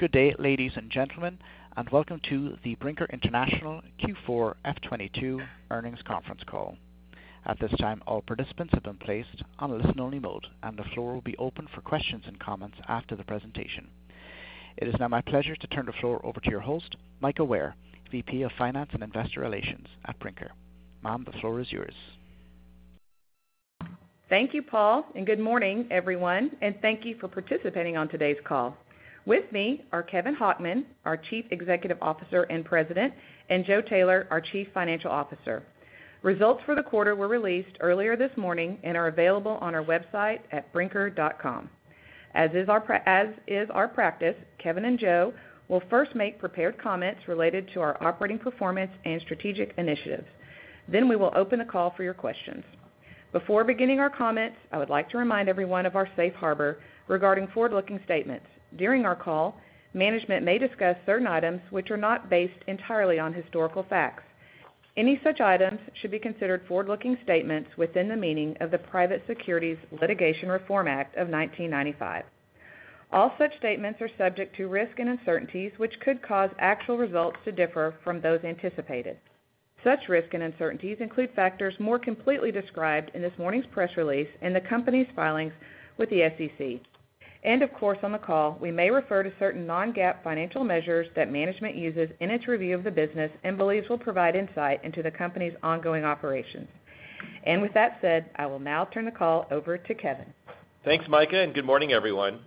Good day, ladies and gentlemen, and welcome to the Brinker International Q4 FY 2022 earnings conference call. At this time, all participants have been placed on a listen-only mode, and the floor will be open for questions and comments after the presentation. It is now my pleasure to turn the floor over to your host, Mika Ware, VP of Finance and Investor Relations at Brinker. Ma'am, the floor is yours. Thank you, Paul, and good morning, everyone, and thank you for participating on today's call. With me are Kevin Hochman, our Chief Executive Officer and President, and Joe Taylor, our Chief Financial Officer. Results for the quarter were released earlier this morning and are available on our website at brinker.com. As is our practice, Kevin and Joe will first make prepared comments related to our operating performance and strategic initiatives. Then we will open the call for your questions. Before beginning our comments, I would like to remind everyone of our safe harbor regarding forward-looking statements. During our call, management may discuss certain items which are not based entirely on historical facts. Any such items should be considered forward-looking statements within the meaning of the Private Securities Litigation Reform Act of 1995. All such statements are subject to risk and uncertainties, which could cause actual results to differ from those anticipated. Such risk and uncertainties include factors more completely described in this morning's press release in the company's filings with the SEC. Of course, on the call, we may refer to certain Non-GAAP financial measures that management uses in its review of the business and believes will provide insight into the company's ongoing operations. With that said, I will now turn the call over to Kevin. Thanks, Mika, and good morning, everyone.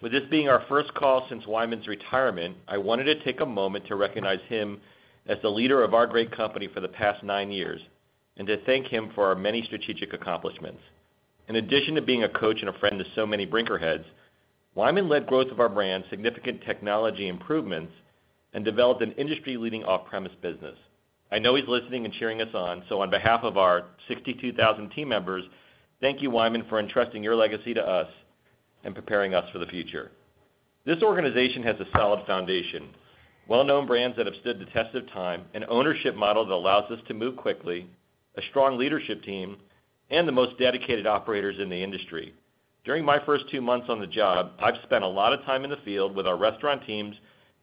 With this being our first call since Wyman's retirement, I wanted to take a moment to recognize him as the leader of our great company for the past nine years and to thank him for our many strategic accomplishments. In addition to being a coach and a friend to so many Brinker heads, Wyman led growth of our brand, significant technology improvements, and developed an industry-leading off-premise business. I know he's listening and cheering us on, so on behalf of our 62,000 team members, thank you, Wyman, for entrusting your legacy to us and preparing us for the future. This organization has a solid foundation, well-known brands that have stood the test of time, an ownership model that allows us to move quickly, a strong leadership team, and the most dedicated operators in the industry. During my first two months on the job, I've spent a lot of time in the field with our restaurant teams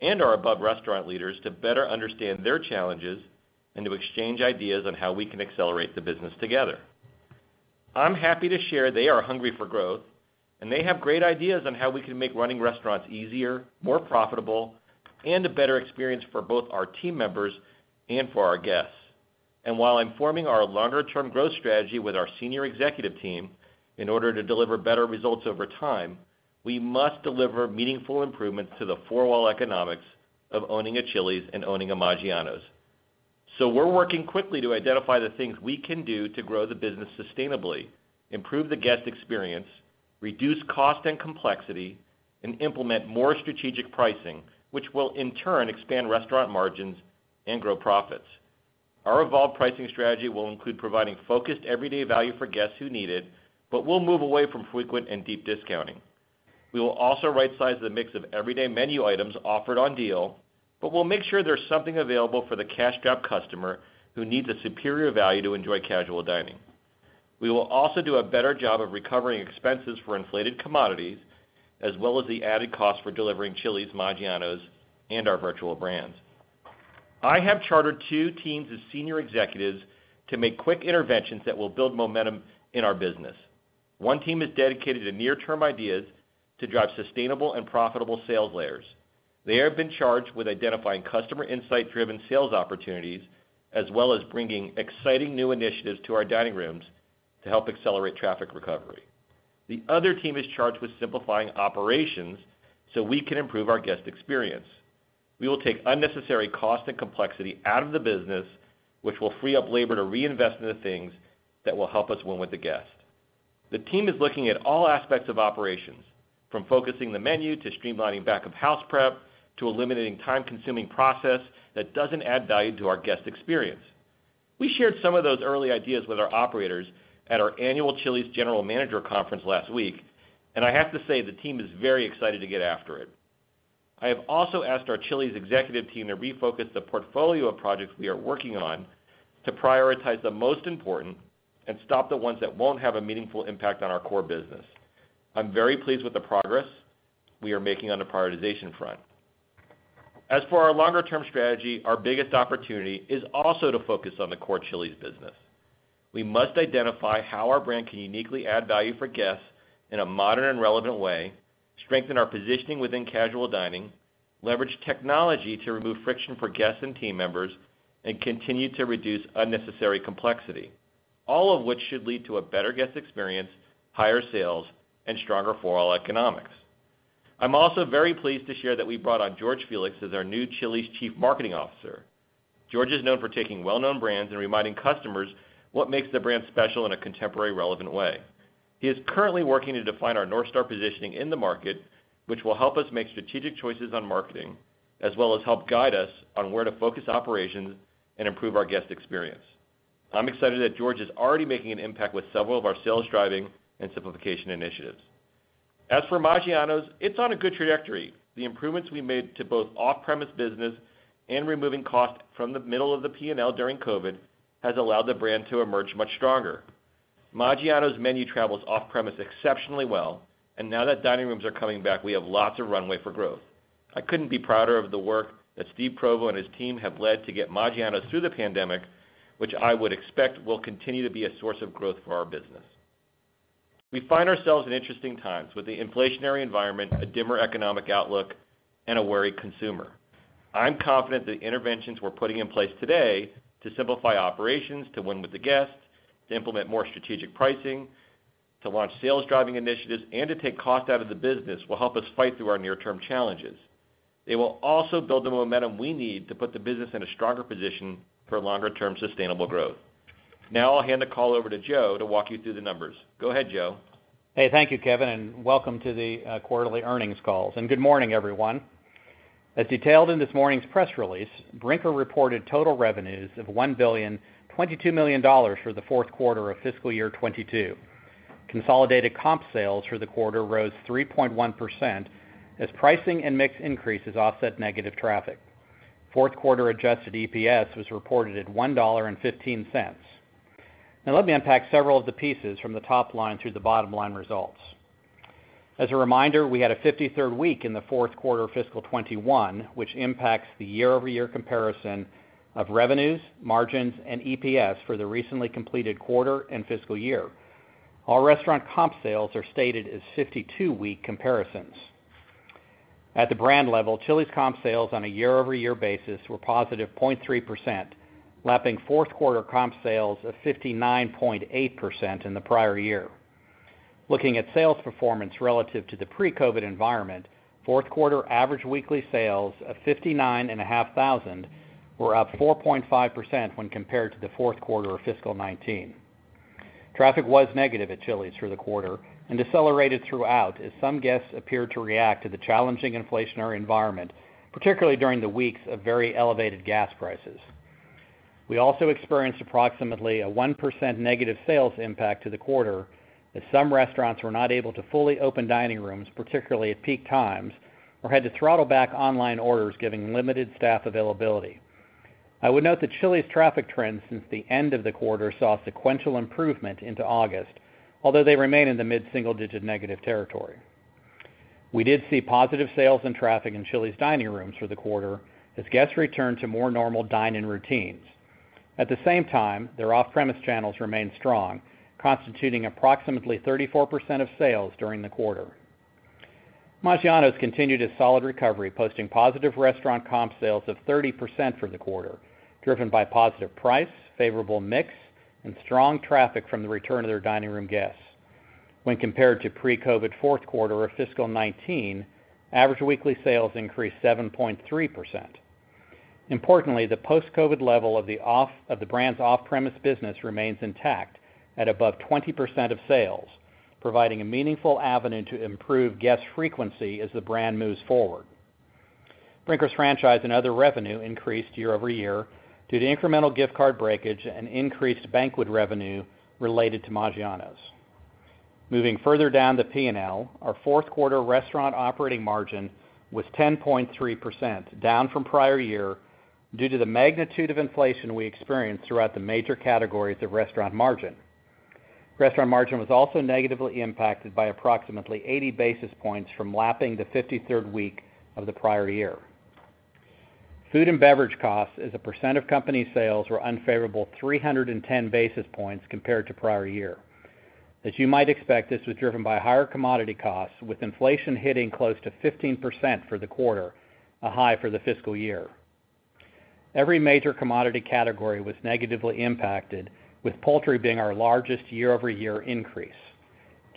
and our above restaurant leaders to better understand their challenges and to exchange ideas on how we can accelerate the business together. I'm happy to share they are hungry for growth, and they have great ideas on how we can make running restaurants easier, more profitable, and a better experience for both our team members and for our guests. While I'm forming our longer-term growth strategy with our senior executive team in order to deliver better results over time, we must deliver meaningful improvements to the four-wall economics of owning a Chili's and owning a Maggiano's. We're working quickly to identify the things we can do to grow the business sustainably, improve the guest experience, reduce cost and complexity, and implement more strategic pricing, which will in turn expand restaurant margins and grow profits. Our evolved pricing strategy will include providing focused everyday value for guests who need it, but we'll move away from frequent and deep discounting. We will also right-size the mix of everyday menu items offered on deal, but we'll make sure there's something available for the cash-strapped customer who needs a superior value to enjoy casual dining. We will also do a better job of recovering expenses for inflated commodities, as well as the added cost for delivering Chili's, Maggiano's, and our virtual brands. I have chartered two teams of senior executives to make quick interventions that will build momentum in our business. One team is dedicated to near-term ideas to drive sustainable and profitable sales layers. They have been charged with identifying customer insight-driven sales opportunities, as well as bringing exciting new initiatives to our dining rooms to help accelerate traffic recovery. The other team is charged with simplifying operations so we can improve our guest experience. We will take unnecessary cost and complexity out of the business, which will free up labor to reinvest in the things that will help us win with the guest. The team is looking at all aspects of operations, from focusing the menu to streamlining back-of-house prep to eliminating time-consuming process that doesn't add value to our guest experience. We shared some of those early ideas with our operators at our annual Chili's general manager conference last week, and I have to say the team is very excited to get after it. I have also asked our Chili's executive team to refocus the portfolio of projects we are working on to prioritize the most important and stop the ones that won't have a meaningful impact on our core business. I'm very pleased with the progress we are making on the prioritization front. As for our longer-term strategy, our biggest opportunity is also to focus on the core Chili's business. We must identify how our brand can uniquely add value for guests in a modern and relevant way, strengthen our positioning within casual dining, leverage technology to remove friction for guests and team members, and continue to reduce unnecessary complexity, all of which should lead to a better guest experience, higher sales, and stronger overall economics. I'm also very pleased to share that we brought on George Felix as our new Chili's Chief Marketing Officer. George is known for taking well-known brands and reminding customers what makes the brand special in a contemporary, relevant way. He is currently working to define our North Star positioning in the market, which will help us make strategic choices on marketing, as well as help guide us on where to focus operations and improve our guest experience. I'm excited that George is already making an impact with several of our sales driving and simplification initiatives. As for Maggiano's, it's on a good trajectory. The improvements we made to both off-premise business and removing cost from the middle of the P&L during COVID has allowed the brand to emerge much stronger. Maggiano's menu travels off-premise exceptionally well, and now that dining rooms are coming back, we have lots of runway for growth. I couldn't be prouder of the work that Steve Provost and his team have led to get Maggiano's through the pandemic, which I would expect will continue to be a source of growth for our business. We find ourselves in interesting times with the inflationary environment, a dimmer economic outlook, and a wary consumer. I'm confident the interventions we're putting in place today to simplify operations, to win with the guests, to implement more strategic pricing, to launch sales-driving initiatives, and to take cost out of the business will help us fight through our near-term challenges. It will also build the momentum we need to put the business in a stronger position for longer term sustainable growth. Now I'll hand the call over to Joe to walk you through the numbers. Go ahead, Joe. Hey. Thank you, Kevin, and welcome to the quarterly earnings calls, and good morning, everyone. As detailed in this morning's press release, Brinker reported total revenues of $1.022 billion for the fourth quarter of fiscal year 2022. Consolidated comp sales for the quarter rose 3.1% as pricing and mix increases offset negative traffic. Fourth quarter adjusted EPS was reported at $1.15. Now, let me unpack several of the pieces from the top line through the bottom line results. As a reminder, we had a 53rd week in the fourth quarter of fiscal 2021, which impacts the year-over-year comparison of revenues, margins, and EPS for the recently completed quarter and fiscal year. All restaurant comp sales are stated as 52-week comparisons. At the brand level, Chili's comp sales on a year-over-year basis were positive 0.3%, lapping fourth quarter comp sales of 59.8% in the prior year. Looking at sales performance relative to the pre-COVID environment, fourth quarter average weekly sales of $59,500 were up 4.5% when compared to the fourth quarter of fiscal 2019. Traffic was negative at Chili's for the quarter and decelerated throughout as some guests appeared to react to the challenging inflationary environment, particularly during the weeks of very elevated gas prices. We also experienced approximately a 1% negative sales impact to the quarter as some restaurants were not able to fully open dining rooms, particularly at peak times, or had to throttle back online orders given limited staff availability. I would note that Chili's traffic trends since the end of the quarter saw sequential improvement into August, although they remain in the mid-single digit negative territory. We did see positive sales and traffic in Chili's dining rooms for the quarter as guests returned to more normal dine-in routines. At the same time, their off-premise channels remained strong, constituting approximately 34% of sales during the quarter. Maggiano's continued its solid recovery, posting positive restaurant comp sales of 30% for the quarter, driven by positive price, favorable mix, and strong traffic from the return of their dining room guests. When compared to pre-COVID fourth quarter of fiscal 2019, average weekly sales increased 7.3%. Importantly, the post-COVID level of the brand's off-premise business remains intact at above 20% of sales, providing a meaningful avenue to improve guest frequency as the brand moves forward. Brinker's franchise and other revenue increased year-over-year due to incremental gift card breakage and increased banquet revenue related to Maggiano's. Moving further down the P&L, our fourth quarter restaurant operating margin was 10.3%, down from prior year due to the magnitude of inflation we experienced throughout the major categories of restaurant margin. Restaurant margin was also negatively impacted by approximately 80 basis points from lapping the 53rd week of the prior year. Food and beverage costs as a percent of company sales were unfavorable 310 basis points compared to prior year. As you might expect, this was driven by higher commodity costs with inflation hitting close to 15% for the quarter, a high for the fiscal year. Every major commodity category was negatively impacted, with poultry being our largest year-over-year increase.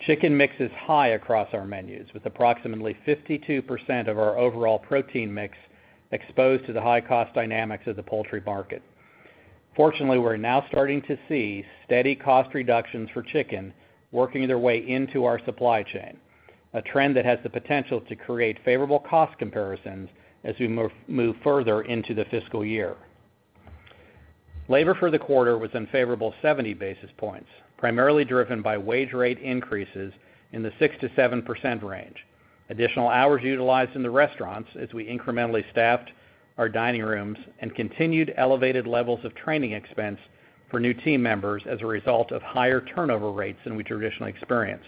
Chicken mix is high across our menus, with approximately 52% of our overall protein mix exposed to the high cost dynamics of the poultry market. Fortunately, we're now starting to see steady cost reductions for chicken working their way into our supply chain, a trend that has the potential to create favorable cost comparisons as we move further into the fiscal year. Labor for the quarter was unfavorable 70 basis points, primarily driven by wage rate increases in the 6%-7% range. Additional hours utilized in the restaurants as we incrementally staffed our dining rooms and continued elevated levels of training expense for new team members as a result of higher turnover rates than we traditionally experience.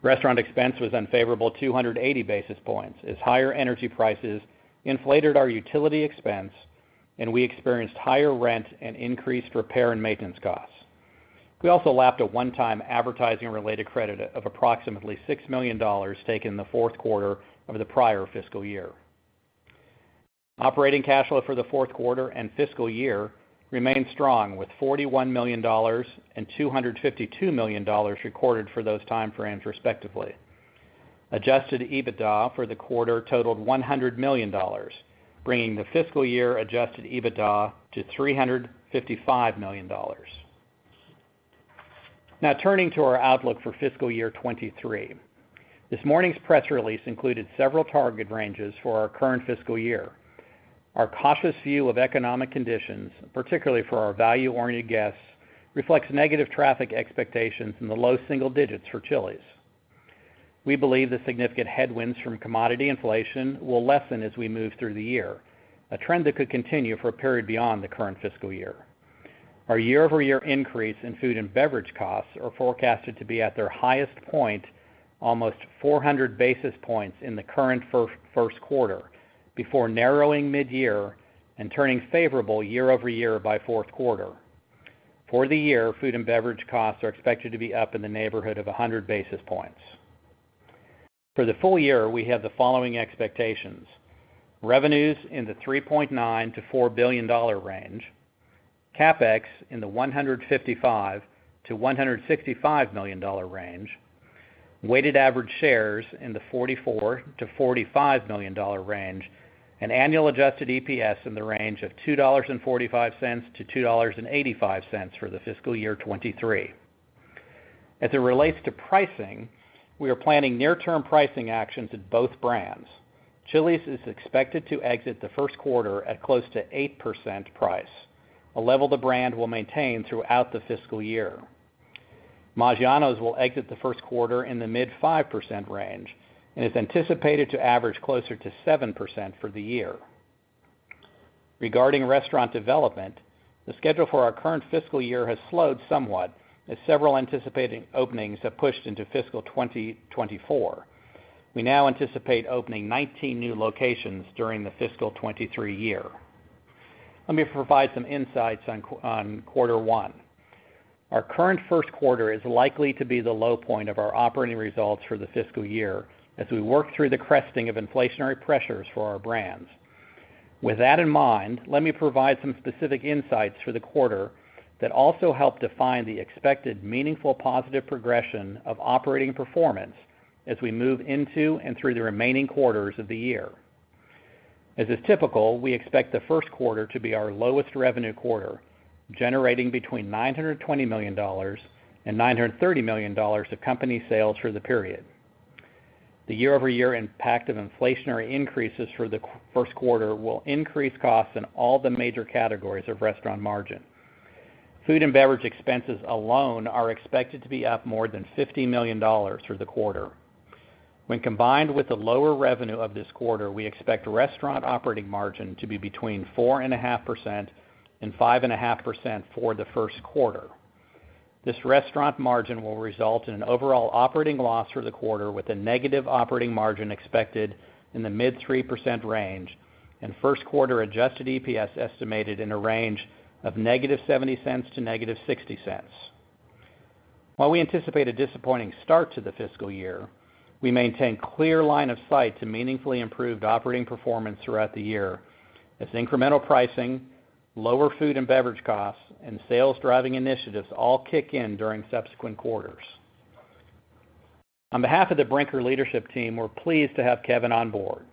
Restaurant expense was unfavorable 280 basis points as higher energy prices inflated our utility expense and we experienced higher rent and increased repair and maintenance costs. We also lapped a one-time advertising related credit of approximately $6 million taken in the fourth quarter of the prior fiscal year. Operating cash flow for the fourth quarter and fiscal year remained strong, with $41 million and $252 million recorded for those time frames respectively. Adjusted EBITDA for the quarter totaled $100 million, bringing the fiscal year adjusted EBITDA to $355 million. Now turning to our outlook for fiscal year 2023. This morning's press release included several target ranges for our current fiscal year. Our cautious view of economic conditions, particularly for our value-oriented guests, reflects negative traffic expectations in the low single digits for Chili's. We believe the significant headwinds from commodity inflation will lessen as we move through the year, a trend that could continue for a period beyond the current fiscal year. Our year-over-year increase in food and beverage costs are forecasted to be at their highest point almost 400 basis points in the current first quarter before narrowing mid-year and turning favorable year-over-year by fourth quarter. For the year, food and beverage costs are expected to be up in the neighborhood of 100 basis points. For the full year, we have the following expectations. Revenues in the $3.9-$4 billion range, CapEx in the $155-$165 million range, weighted average shares in the 44-45 million-share range, and annual adjusted EPS in the range of $2.45-$2.85 for the fiscal year 2023. As it relates to pricing, we are planning near-term pricing actions at both brands. Chili's is expected to exit the first quarter at close to 8% pricing, a level the brand will maintain throughout the fiscal year. Maggiano's will exit the first quarter in the mid-5% range and is anticipated to average closer to 7% for the year. Regarding restaurant development, the schedule for our current fiscal year has slowed somewhat as several anticipated openings have pushed into fiscal 2024. We now anticipate opening 19 new locations during the fiscal 2023 year. Let me provide some insights on quarter one. Our current first quarter is likely to be the low point of our operating results for the fiscal year as we work through the cresting of inflationary pressures for our brands. With that in mind, let me provide some specific insights for the quarter that also help define the expected meaningful positive progression of operating performance as we move into and through the remaining quarters of the year. As is typical, we expect the first quarter to be our lowest revenue quarter, generating between $920 million and $930 million of company sales for the period. The year-over-year impact of inflationary increases for the first quarter will increase costs in all the major categories of restaurant margin. Food and beverage expenses alone are expected to be up more than $50 million through the quarter. When combined with the lower revenue of this quarter, we expect restaurant operating margin to be between 4.5% and 5.5% for the first quarter. This restaurant margin will result in an overall operating loss for the quarter, with a negative operating margin expected in the mid-3% range and first quarter adjusted EPS estimated in a range of -$0.70 to -$0.60. While we anticipate a disappointing start to the fiscal year, we maintain clear line of sight to meaningfully improved operating performance throughout the year as incremental pricing, lower food and beverage costs, and sales driving initiatives all kick in during subsequent quarters. On behalf of the Brinker leadership team, we're pleased to have Kevin on board.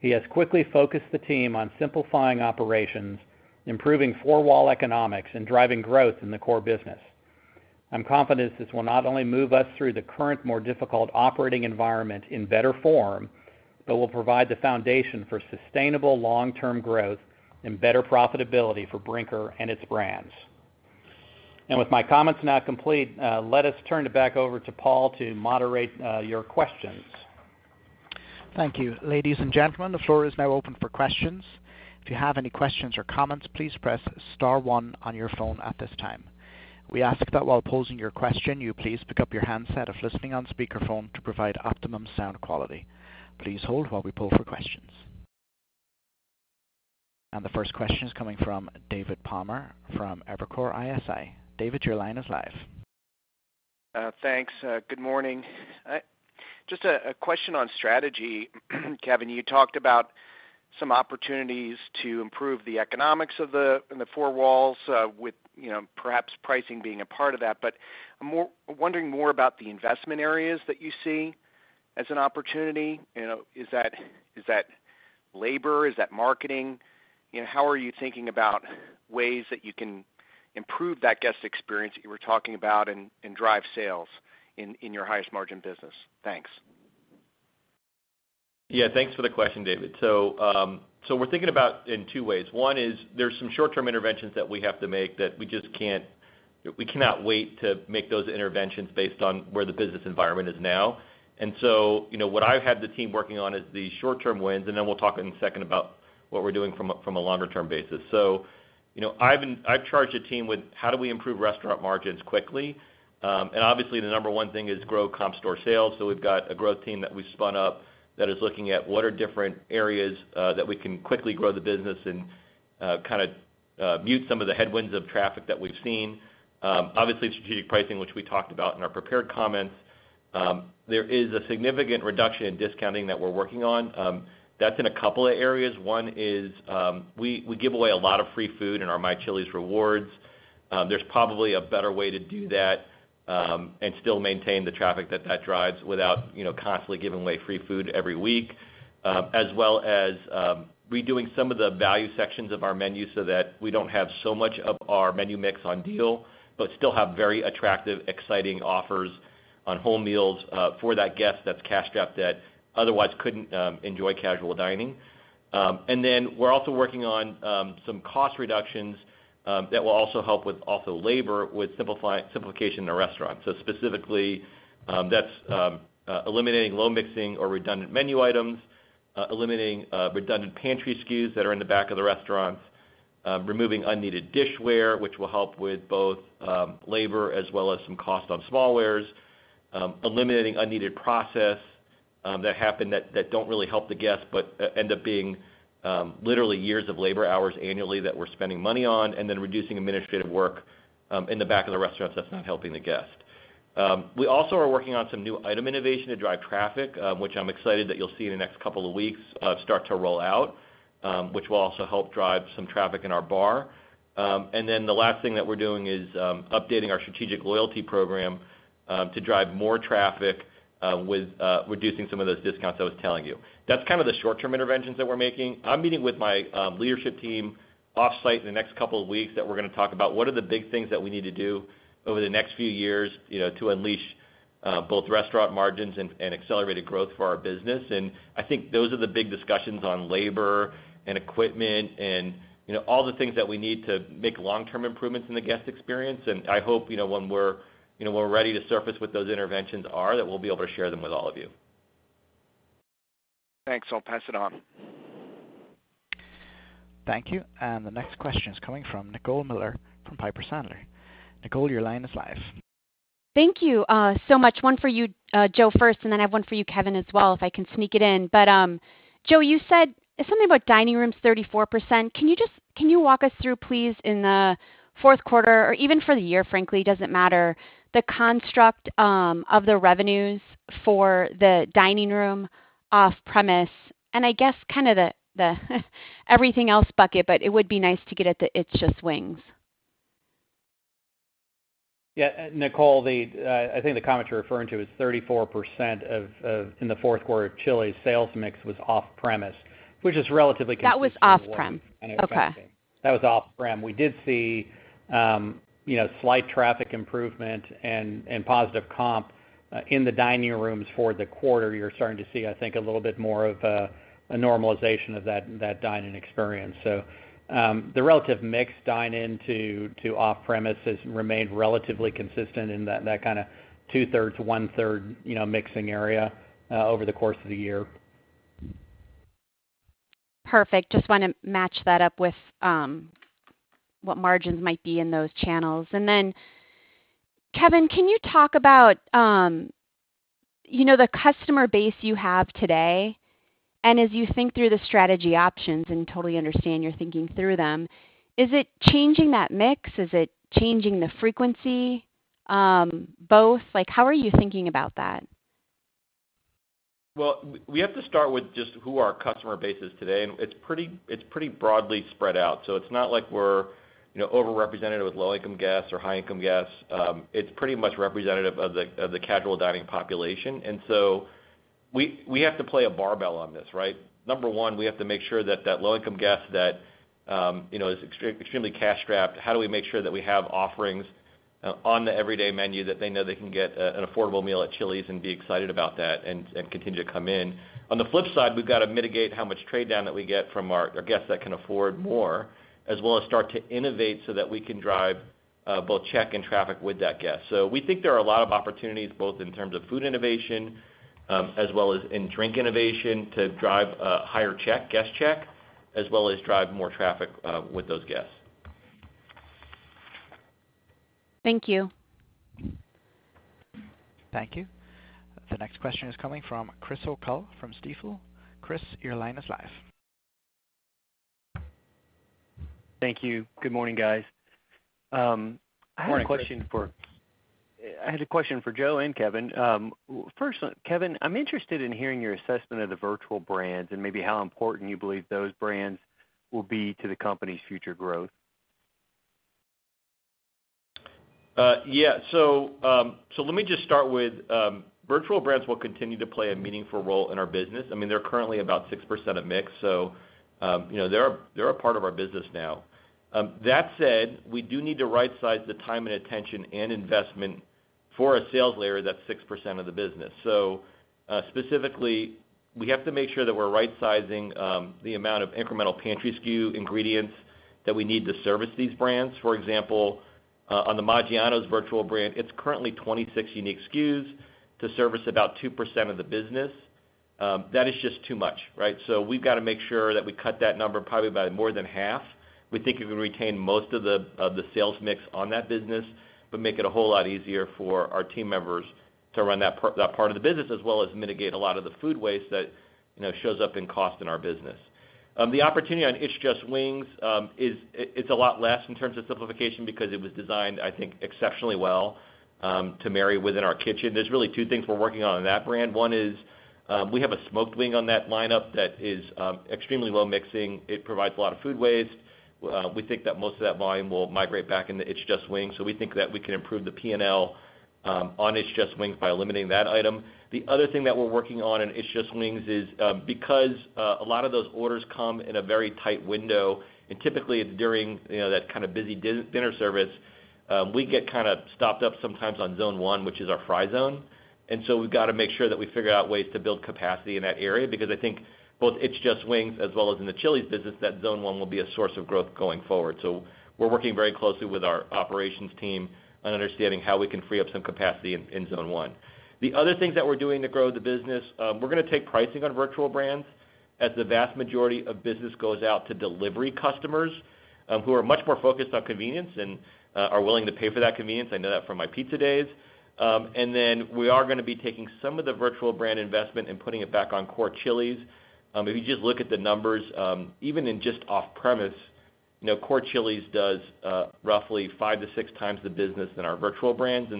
He has quickly focused the team on simplifying operations, improving four-wall economics, and driving growth in the core business. I'm confident this will not only move us through the current, more difficult operating environment in better form, but will provide the foundation for sustainable long-term growth and better profitability for Brinker and its brands. With my comments now complete, let us turn it back over to Paul to moderate, your questions. Thank you. Ladies and gentlemen, the floor is now open for questions. If you have any questions or comments, please press star one on your phone at this time. We ask that while posing your question, you please pick up your handset if listening on speakerphone to provide optimum sound quality. Please hold while we poll for questions. The first question is coming from David Palmer from Evercore ISI. David, your line is live. Thanks. Good morning. Just a question on strategy, Kevin. You talked about some opportunities to improve the economics of the four walls with you know perhaps pricing being a part of that. But I'm wondering more about the investment areas that you see as an opportunity. You know, is that labor? Is that marketing? You know, how are you thinking about ways that you can improve that guest experience that you were talking about and drive sales in your highest margin business? Thanks. Yeah, thanks for the question, David. We're thinking about it in two ways. One is there's some short-term interventions that we have to make that we cannot wait to make those interventions based on where the business environment is now. You know, what I've had the team working on is the short-term wins, and then we'll talk in a second about what we're doing from a longer term basis. You know, I've charged the team with how do we improve restaurant margins quickly. Obviously the number one thing is grow comp store sales. We've got a growth team that we've spun up that is looking at what are different areas that we can quickly grow the business and kinda mitigate some of the headwinds of traffic that we've seen. Obviously strategic pricing, which we talked about in our prepared comments. There is a significant reduction in discounting that we're working on. That's in a couple of areas. One is, we give away a lot of free food in our My Chili's Rewards. There's probably a better way to do that, and still maintain the traffic that that drives without, you know, constantly giving away free food every week. As well as redoing some of the value sections of our menu so that we don't have so much of our menu mix on deal, but still have very attractive, exciting offers on home meals for that guest that's cash strapped that otherwise couldn't enjoy casual dining. We're also working on some cost reductions that will also help with labor, with simplification in the restaurant. Specifically, that's eliminating low mix or redundant menu items, eliminating redundant pantry SKUs that are in the back of the restaurants, removing unneeded dishware, which will help with both labor as well as some cost on smallwares, eliminating unneeded process that happen, that don't really help the guest, but end up being literally years of labor hours annually that we're spending money on, and reducing administrative work in the back of the restaurants that's not helping the guest. We also are working on some new item innovation to drive traffic, which I'm excited that you'll see in the next couple of weeks start to roll out, which will also help drive some traffic in our bar. The last thing that we're doing is updating our strategic loyalty program to drive more traffic with reducing some of those discounts I was telling you. That's kind of the short-term interventions that we're making. I'm meeting with my leadership team off-site in the next couple of weeks that we're gonna talk about what are the big things that we need to do over the next few years, you know, to unleash both restaurant margins and accelerated growth for our business. I think those are the big discussions on labor and equipment and, you know, all the things that we need to make long-term improvements in the guest experience. I hope, you know, when we're, you know, ready to surface what those interventions are, that we'll be able to share them with all of you. Thanks. I'll pass it on. Thank you. The next question is coming from Nicole Miller Regan from Piper Sandler. Nicole, your line is live. Thank you, so much. One for you, Joe first, and then I have one for you, Kevin, as well, if I can sneak it in. Joe, you said something about dining room's 34%. Can you walk us through, please, in the fourth quarter or even for the year, frankly, doesn't matter, the construct of the revenues for the dining room off-premise, and I guess kind of the everything else bucket, but it would be nice to get at the It's Just Wings. Yeah, Nicole, I think the comment you're referring to is 34% in the fourth quarter of Chili's sales mix was off-premise, which is relatively consistent with- That was off-prem. Okay. That was off-premise. We did see, you know, slight traffic improvement and positive comp in the dining rooms for the quarter. You're starting to see, I think, a little bit more of a normalization of that dine-in experience. The relative mix dine-in to off-premise has remained relatively consistent in that kinda 2/3, 1/3, you know, mixing area over the course of the year. Perfect. Just wanna match that up with what margins might be in those channels. Kevin, can you talk about you know the customer base you have today, and as you think through the strategy options, and totally understand you're thinking through them, is it changing that mix? Is it changing the frequency? Both? Like, how are you thinking about that? Well, we have to start with just who our customer base is today, and it's pretty broadly spread out. It's not like we're, you know, over-represented with low-income guests or high-income guests. It's pretty much representative of the casual dining population. We have to play a barbell on this, right? Number one, we have to make sure that low-income guest that, you know, is extremely cash strapped, how do we make sure that we have offerings on the everyday menu that they know they can get an affordable meal at Chili's and be excited about that and continue to come in. On the flip side, we've got to mitigate how much trade down that we get from our guests that can afford more, as well as start to innovate so that we can drive both check and traffic with that guest. We think there are a lot of opportunities, both in terms of food innovation, as well as in drink innovation to drive higher check, guest check, as well as drive more traffic with those guests. Thank you. Thank you. The next question is coming from Chris O'Cull from Stifel. Chris, your line is live. Thank you. Good morning, guys. I had a question for- Morning, Chris. I had a question for Joe and Kevin. First, Kevin, I'm interested in hearing your assessment of the virtual brands and maybe how important you believe those brands will be to the company's future growth. Virtual brands will continue to play a meaningful role in our business. I mean, they're currently about 6% of mix. You know, they're a part of our business now. That said, we do need to right-size the time and attention and investment for a sales layer that's 6% of the business. Specifically, we have to make sure that we're right-sizing the amount of incremental pantry SKU ingredients that we need to service these brands. For example, on the Maggiano's virtual brand, it's currently 26 unique SKUs to service about 2% of the business. That is just too much, right? We've got to make sure that we cut that number probably by more than half. We think it will retain most of the sales mix on that business, but make it a whole lot easier for our team members to run that part of the business, as well as mitigate a lot of the food waste that you know shows up in cost in our business. The opportunity on It's Just Wings is, it's a lot less in terms of simplification because it was designed, I think, exceptionally well to marry within our kitchen. There's really two things we're working on in that brand. One is, we have a smoked wing on that lineup that is extremely low mixing. It provides a lot of food waste. We think that most of that volume will migrate back into It's Just Wings. We think that we can improve the P&L on It's Just Wings by eliminating that item. The other thing that we're working on in It's Just Wings is, because a lot of those orders come in a very tight window, and typically during, you know, that kind of busy dinner service, we get kind of stopped up sometimes on zone one, which is our fry zone. We've got to make sure that we figure out ways to build capacity in that area because I think both It's Just Wings as well as in the Chili's business, that zone one will be a source of growth going forward. We're working very closely with our operations team on understanding how we can free up some capacity in zone one. The other things that we're doing to grow the business, we're gonna take pricing on virtual brands as the vast majority of business goes out to delivery customers, who are much more focused on convenience and are willing to pay for that convenience. I know that from my pizza days. We are gonna be taking some of the virtual brand investment and putting it back on core Chili's. If you just look at the numbers, even in just off-premise, you know, core Chili's does roughly five to six times the business than our virtual brands.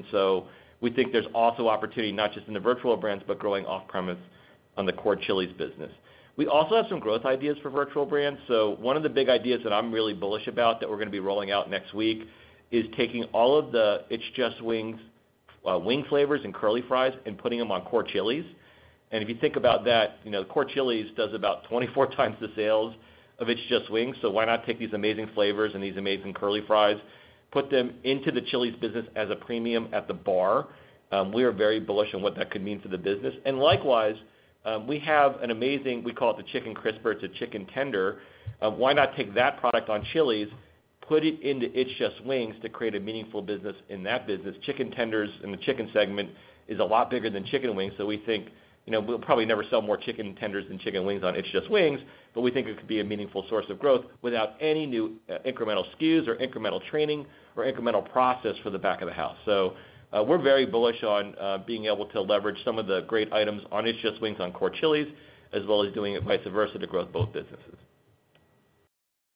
We think there's also opportunity, not just in the virtual brands, but growing off-premise on the core Chili's business. We also have some growth ideas for virtual brands. One of the big ideas that I'm really bullish about that we're gonna be rolling out next week is taking all of the It's Just Wings, wing flavors and curly fries and putting them on core Chili's. If you think about that, you know, the core Chili's does about 24 times the sales of It's Just Wings, so why not take these amazing flavors and these amazing curly fries, put them into the Chili's business as a premium at the bar? We are very bullish on what that could mean for the business. Likewise, we have an amazing, we call it the Chicken Crispers. It's a chicken tender. Why not take that product on Chili's, put it into It's Just Wings to create a meaningful business in that business? Chicken tenders in the chicken segment is a lot bigger than chicken wings, so we think, you know, we'll probably never sell more chicken tenders than chicken wings on It's Just Wings, but we think it could be a meaningful source of growth without any new, incremental SKUs or incremental training or incremental process for the back of the house. We're very bullish on being able to leverage some of the great items on It's Just Wings on core Chili's, as well as doing it vice versa to grow both businesses.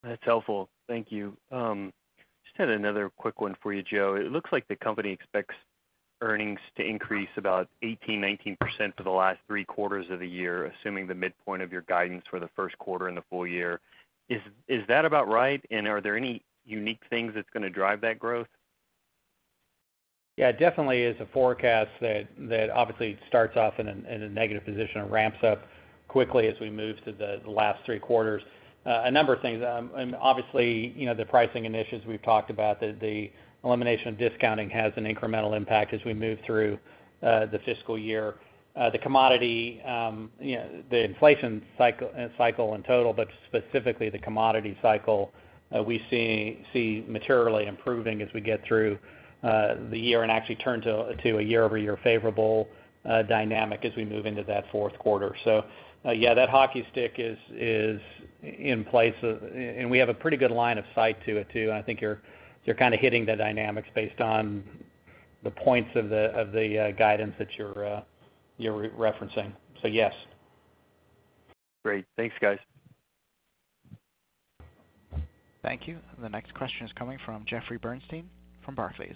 That's helpful. Thank you. Just had another quick one for you, Joe. It looks like the company expects earnings to increase about 18%-19% for the last three quarters of the year, assuming the midpoint of your guidance for the first quarter and the full year. Is that about right, and are there any unique things that's gonna drive that growth? Yeah, it definitely is a forecast that obviously starts off in a negative position and ramps up quickly as we move to the last three quarters. A number of things. Obviously, you know, the pricing initiatives we've talked about, the elimination of discounting has an incremental impact as we move through the fiscal year. The commodity, you know, the inflation cycle in total, but specifically the commodity cycle, we see materially improving as we get through the year and actually turn to a year-over-year favorable dynamic as we move into that fourth quarter. Yeah, that hockey stick is in place, and we have a pretty good line of sight to it too. I think you're kind of hitting the dynamics based on the points of the guidance that you're referencing. So yes. Great. Thanks, guys. Thank you. The next question is coming from Jeffrey Bernstein from Barclays.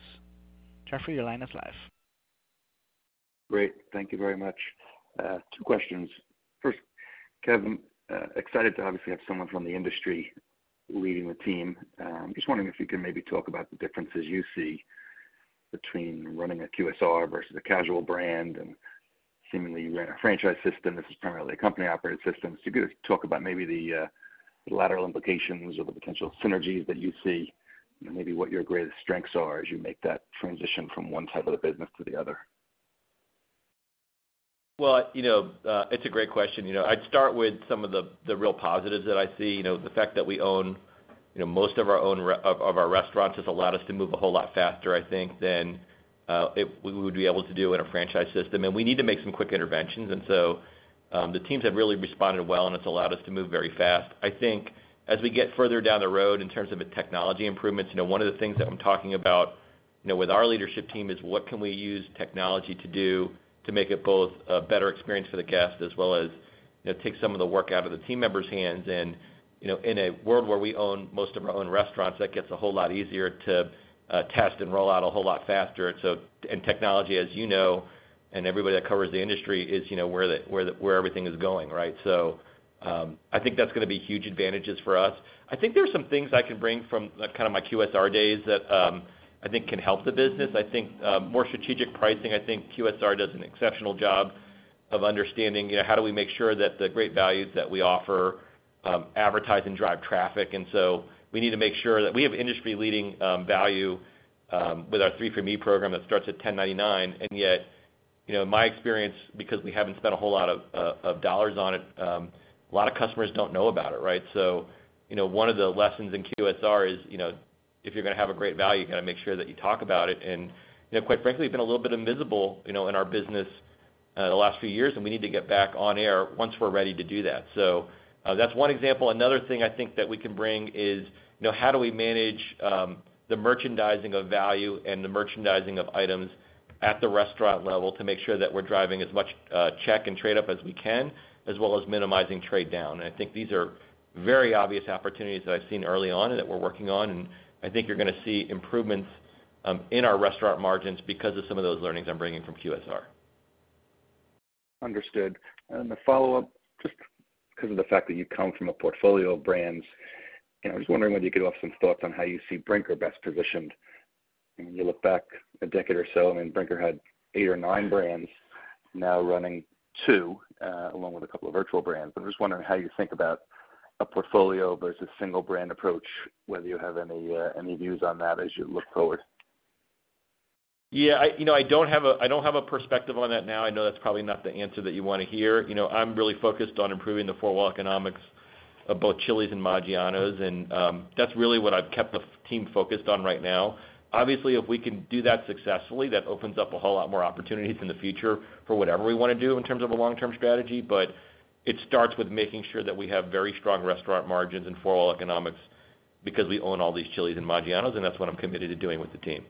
Jeffrey, your line is live. Great. Thank you very much. Two questions. First, Kevin, excited to obviously have someone from the industry leading the team. Just wondering if you can maybe talk about the differences you see between running a QSR versus a casual brand, and seemingly you ran a franchise system. This is primarily a company-operated system. So if you could just talk about maybe the lateral implications or the potential synergies that you see, you know, maybe what your greatest strengths are as you make that transition from one side of the business to the other. Well, you know, it's a great question. You know, I'd start with some of the real positives that I see. You know, the fact that we own, you know, most of our own restaurants has allowed us to move a whole lot faster, I think, than we would be able to do in a franchise system. The teams have really responded well, and it's allowed us to move very fast. I think as we get further down the road in terms of the technology improvements, you know, one of the things that I'm talking about, you know, with our leadership team is what can we use technology to do to make it both a better experience for the guest as well as, you know, take some of the work out of the team members' hands. You know, in a world where we own most of our own restaurants, that gets a whole lot easier to test and roll out a whole lot faster. Technology, as you know, and everybody that covers the industry is, you know, where everything is going, right? I think that's gonna be huge advantages for us. I think there's some things I can bring from like, kind of my QSR days that, I think can help the business. I think, more strategic pricing, I think QSR does an exceptional job of understanding, you know, how do we make sure that the great values that we offer, advertise and drive traffic. We need to make sure that we have industry-leading, value, with our 3 for Me program that starts at $10.99, and yet, you know, in my experience, because we haven't spent a whole lot of dollars on it, a lot of customers don't know about it, right? You know, one of the lessons in QSR is, you know, if you're gonna have a great value, you gotta make sure that you talk about it. Quite frankly, been a little bit invisible, you know, in our business, the last few years, and we need to get back on air once we're ready to do that. That's one example. Another thing I think that we can bring is, you know, how do we manage, the merchandising of value and the merchandising of items at the restaurant level to make sure that we're driving as much, check and trade up as we can, as well as minimizing trade down. I think these are very obvious opportunities that I've seen early on and that we're working on, and I think you're gonna see improvements, in our restaurant margins because of some of those learnings I'm bringing from QSR. Understood. The follow-up, just because of the fact that you come from a portfolio of brands, you know, I was wondering whether you could offer some thoughts on how you see Brinker best positioned. When you look back a decade or so, I mean, Brinker had eight or nine brands now running two, along with a couple of virtual brands. I'm just wondering how you think about a portfolio versus single brand approach, whether you have any views on that as you look forward. Yeah, you know, I don't have a perspective on that now. I know that's probably not the answer that you want to hear. You know, I'm really focused on improving the four wall economics of both Chili's and Maggiano's, and that's really what I've kept the field team focused on right now. Obviously, if we can do that successfully, that opens up a whole lot more opportunities in the future for whatever we wanna do in terms of a long-term strategy. It starts with making sure that we have very strong restaurant margins and four wall economics because we own all these Chili's and Maggiano's, and that's what I'm committed to doing with the team.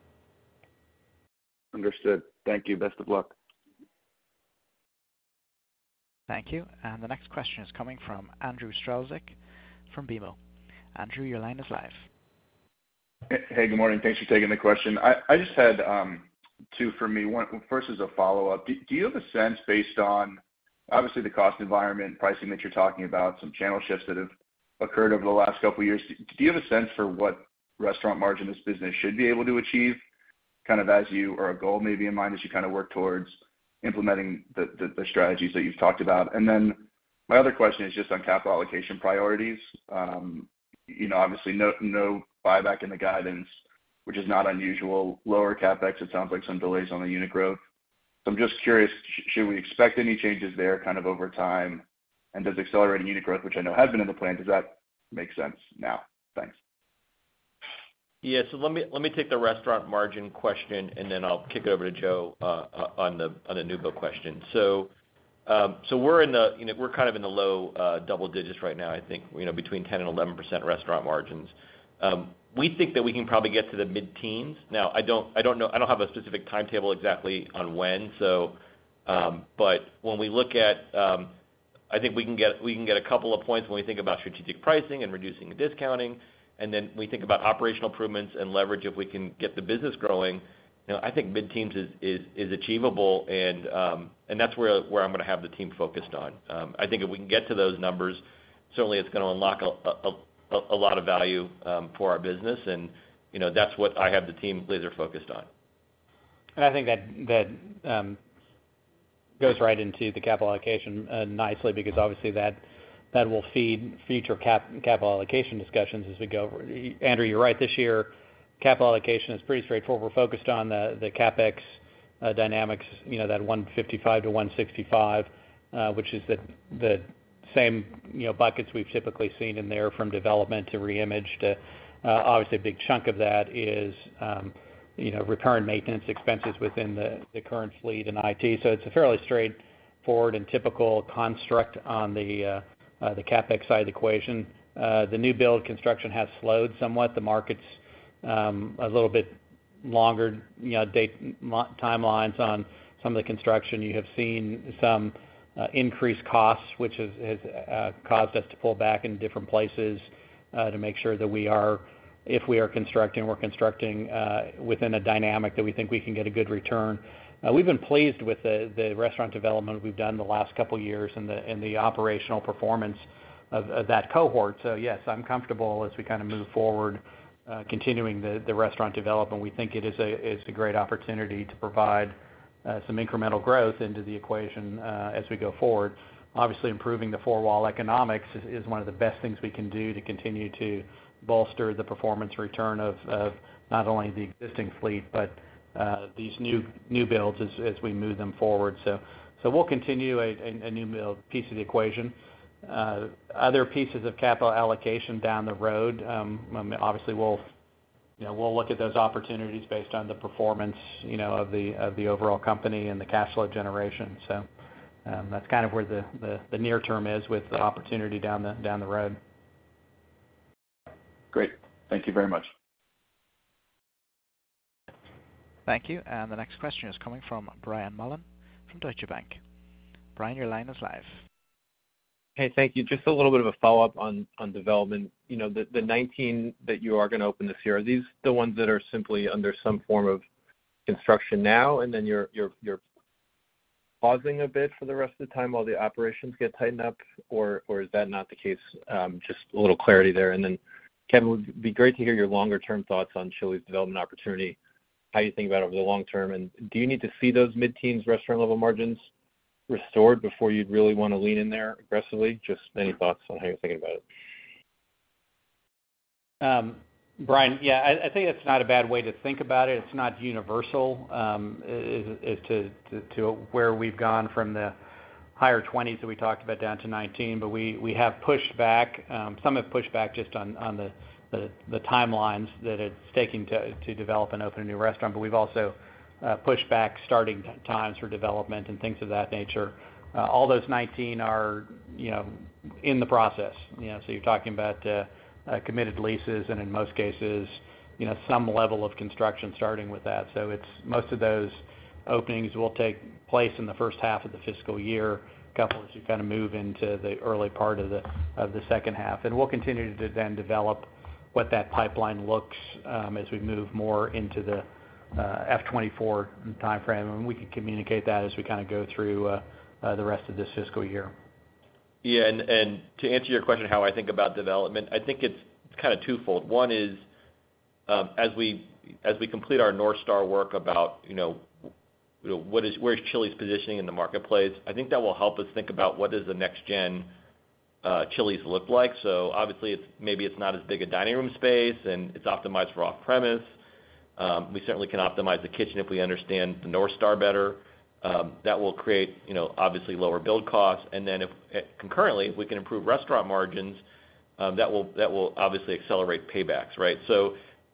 Understood. Thank you. Best of luck. Thank you. The next question is coming from Andrew Strelzik from BMO. Andrew, your line is live. Hey, good morning. Thanks for taking the question. I just had two for me. First is a follow-up. Do you have a sense based on, obviously, the cost environment pricing that you're talking about, some channel shifts that have occurred over the last couple of years, do you have a sense for what restaurant margin this business should be able to achieve, kind of as you have a goal maybe in mind as you kind of work towards implementing the strategies that you've talked about? And then my other question is just on capital allocation priorities. You know, obviously, no buyback in the guidance, which is not unusual. Lower CapEx, it sounds like some delays on the unit growth. I'm just curious, should we expect any changes there kind of over time? Does accelerating unit growth, which I know has been in the plan, does that make sense now? Thanks. Yeah. Let me take the restaurant margin question, and then I'll kick it over to Joe on the new build question. We're kind of in the low double digits right now, I think, you know, between 10%-11% restaurant margins. We think that we can probably get to the mid-teens. Now, I don't know, I have a specific timetable exactly on when, but when we look at, I think we can get a couple of points when we think about strategic pricing and reducing the discounting, and then we think about operational improvements and leverage if we can get the business growing. You know, I think mid-teens is achievable and that's where I'm gonna have the team focused on. I think if we can get to those numbers, certainly it's gonna unlock a lot of value for our business. You know, that's what I have the team laser focused on. I think that goes right into the capital allocation nicely because obviously that will feed future capital allocation discussions as we go. Andrew, you're right. This year, capital allocation is pretty straightforward. We're focused on the CapEx dynamics, you know, that $155-$165, which is the same, you know, buckets we've typically seen in there from development to reimage to obviously a big chunk of that is, you know, routine maintenance expenses within the current fleet and IT. It's a fairly straightforward and typical construct on the CapEx side of the equation. The new build construction has slowed somewhat. The market's a little bit longer, you know, dated timelines on some of the construction. You have seen some increased costs, which has caused us to pull back in different places to make sure that if we are constructing, we're constructing within a dynamic that we think we can get a good return. We've been pleased with the restaurant development we've done the last couple of years and the operational performance of that cohort. Yes, I'm comfortable as we kind of move forward continuing the restaurant development. We think it's a great opportunity to provide some incremental growth into the equation as we go forward. Obviously, improving the four-wall economics is one of the best things we can do to continue to bolster the performance return of not only the existing fleet, but these new builds as we move them forward. We'll continue a new build piece of the equation. Other pieces of capital allocation down the road, obviously, we'll, you know, we'll look at those opportunities based on the performance, you know, of the overall company and the cash flow generation. That's kind of where the near term is with the opportunity down the road. Great. Thank you very much. Thank you. The next question is coming from Brian Mullan from Deutsche Bank. Brian, your line is live. Hey, thank you. Just a little bit of a follow-up on development. You know, the 19 that you are gonna open this year, are these the ones that are simply under some form of construction now, and then you're pausing a bit for the rest of the time while the operations get tightened up, or is that not the case? Just a little clarity there. Kevin, it would be great to hear your longer-term thoughts on Chili's development opportunity, how you think about it over the long term. Do you need to see those mid-teens restaurant level margins restored before you'd really wanna lean in there aggressively? Just any thoughts on how you're thinking about it. Brian, yeah, I think that's not a bad way to think about it. It's not universal to where we've gone from the higher 20s that we talked about down to 19, but we have pushed back, some have pushed back just on the timelines that it's taking to develop and open a new restaurant. We've also pushed back starting times for development and things of that nature. All those 19 are, you know, in the process, you know. You're talking about committed leases and in most cases, you know, some level of construction starting with that. It's most of those openings will take place in the first half of the fiscal year, a couple as you kind of move into the early part of the second half. We'll continue to then develop what that pipeline looks, as we move more into the FY 2024 timeframe. We can communicate that as we kinda go through the rest of this fiscal year. Yeah, to answer your question, how I think about development, I think it's kinda twofold. One is, as we complete our North Star work about, you know, where is Chili's positioning in the marketplace, I think that will help us think about what does the next gen Chili's look like. Obviously it's maybe not as big a dining room space, and it's optimized for off-premise. We certainly can optimize the kitchen if we understand the North Star better. That will create, you know, obviously lower build costs. If concurrently we can improve restaurant margins, that will obviously accelerate paybacks, right?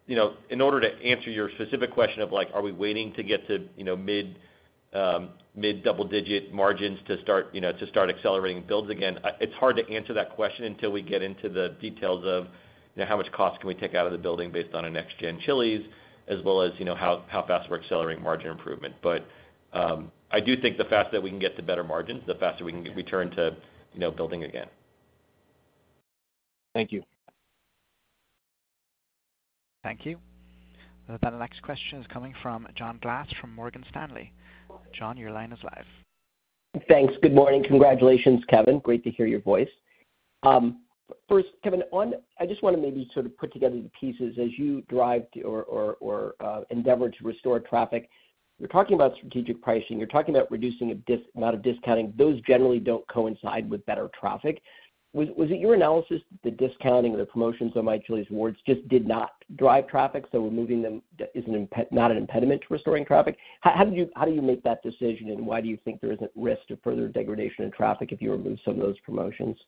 You know, in order to answer your specific question of, like, are we waiting to get to, you know, mid-double digit margins to start, you know, to start accelerating builds again, it's hard to answer that question until we get into the details of, you know, how much cost can we take out of the building based on a next gen Chili's, as well as, you know, how fast we're accelerating margin improvement. I do think the faster we can get to better margins, the faster we can return to, you know, building again. Thank you. Thank you. The next question is coming from John Glass from Morgan Stanley. John, your line is live. Thanks. Good morning. Congratulations, Kevin, great to hear your voice. First, Kevin, I just wanna maybe sort of put together the pieces as you drive or endeavor to restore traffic. You're talking about strategic pricing, you're talking about reducing a lot of discounting. Those generally don't coincide with better traffic. Was it your analysis that the discounting or the promotions on My Chili's Rewards just did not drive traffic, so removing them is not an impediment to restoring traffic? How do you make that decision, and why do you think there isn't risk to further degradation in traffic if you remove some of those promotions?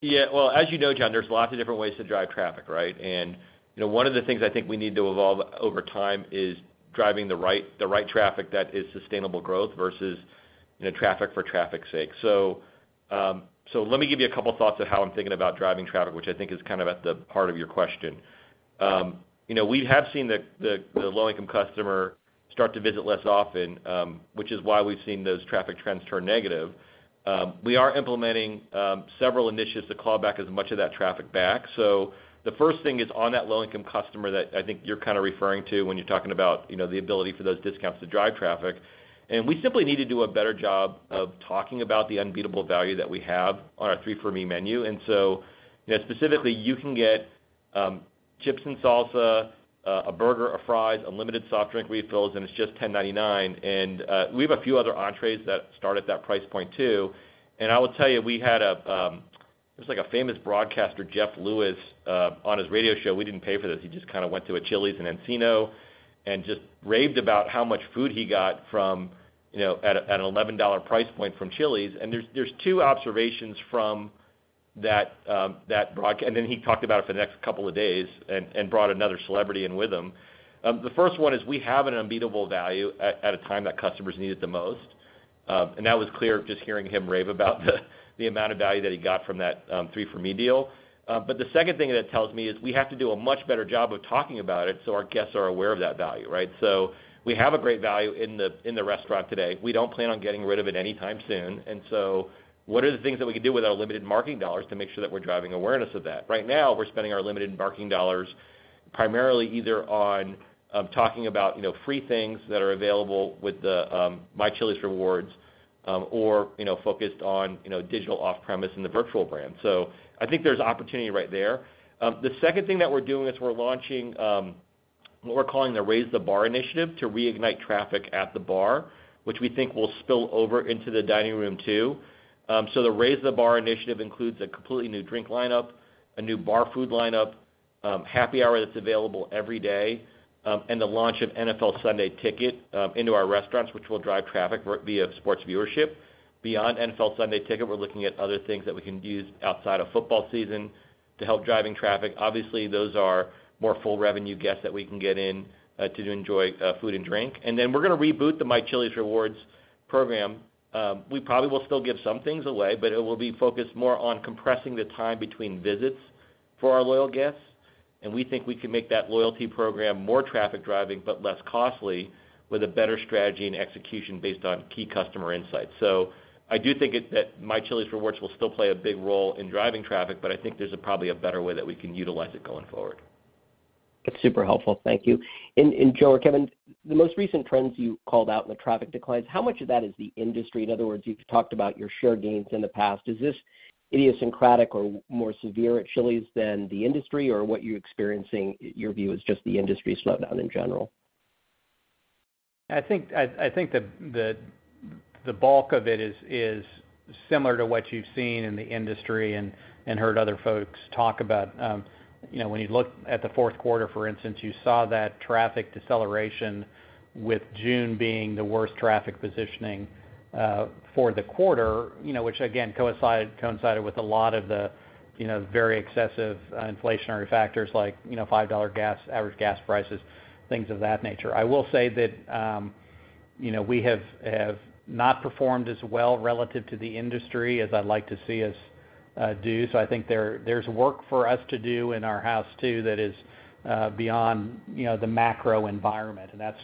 Yeah. Well, as you know, John, there's lots of different ways to drive traffic, right? You know, one of the things I think we need to evolve over time is driving the right traffic that is sustainable growth versus, you know, traffic for traffic's sake. Let me give you a couple thoughts of how I'm thinking about driving traffic, which I think is kind of at the heart of your question. You know, we have seen the low-income customer start to visit less often, which is why we've seen those traffic trends turn negative. We are implementing several initiatives to claw back as much of that traffic back. The first thing is on that low-income customer that I think you're kinda referring to when you're talking about, you know, the ability for those discounts to drive traffic, and we simply need to do a better job of talking about the unbeatable value that we have on our 3 for Me menu. You know, specifically, you can get chips and salsa, a burger or fries, unlimited soft drink refills, and it's just $10.99. We have a few other entrées that start at that price point too. I will tell you, we had a famous broadcaster, Jeff Lewis, on his radio show. We didn't pay for this. He just kinda went to a Chili's in Encino and just raved about how much food he got from, you know, at an $11 price point from Chili's. There's two observations from that, and then he talked about it for the next couple of days and brought another celebrity in with him. The first one is we have an unbeatable value at a time that customers need it the most. That was clear just hearing him rave about the amount of value that he got from that 3 for Me deal. The second thing that tells me is we have to do a much better job of talking about it so our guests are aware of that value, right? We have a great value in the restaurant today. We don't plan on getting rid of it anytime soon. What are the things that we can do with our limited marketing dollars to make sure that we're driving awareness of that? Right now, we're spending our limited marketing dollars primarily either on, talking about, you know, free things that are available with the, My Chili's Rewards, or, you know, focused on, you know, digital off-premise and the virtual brand. I think there's opportunity right there. The second thing that we're doing is we're launching, what we're calling the Raise the Bar initiative to reignite traffic at the bar, which we think will spill over into the dining room too. The Raise the Bar initiative includes a completely new drink lineup, a new bar food lineup, happy hour that's available every day, and the launch of NFL Sunday Ticket into our restaurants, which will drive traffic through sports viewership. Beyond NFL Sunday Ticket, we're looking at other things that we can use outside of football season to help driving traffic. Obviously, those are more full revenue guests that we can get in to enjoy food and drink. Then we're gonna reboot the My Chili's Rewards program. We probably will still give some things away, but it will be focused more on compressing the time between visits for our loyal guests. We think we can make that loyalty program more traffic driving, but less costly with a better strategy and execution based on key customer insights. I do think that My Chili's Rewards will still play a big role in driving traffic, but I think there's probably a better way that we can utilize it going forward. That's super helpful. Thank you. Joe or Kevin, the most recent trends you called out in the traffic declines, how much of that is the industry? In other words, you've talked about your share gains in the past. Is this idiosyncratic or more severe at Chili's than the industry or what you're experiencing, your view is just the industry slowdown in general? I think the bulk of it is similar to what you've seen in the industry and heard other folks talk about. You know, when you look at the fourth quarter, for instance, you saw that traffic deceleration with June being the worst traffic positioning for the quarter, you know, which again coincided with a lot of the, you know, very excessive inflationary factors like, you know, $5 gas, average gas prices, things of that nature. I will say that, you know, we have not performed as well relative to the industry as I'd like to see us do. I think there's work for us to do in our house too that is beyond, you know, the macro environment. That's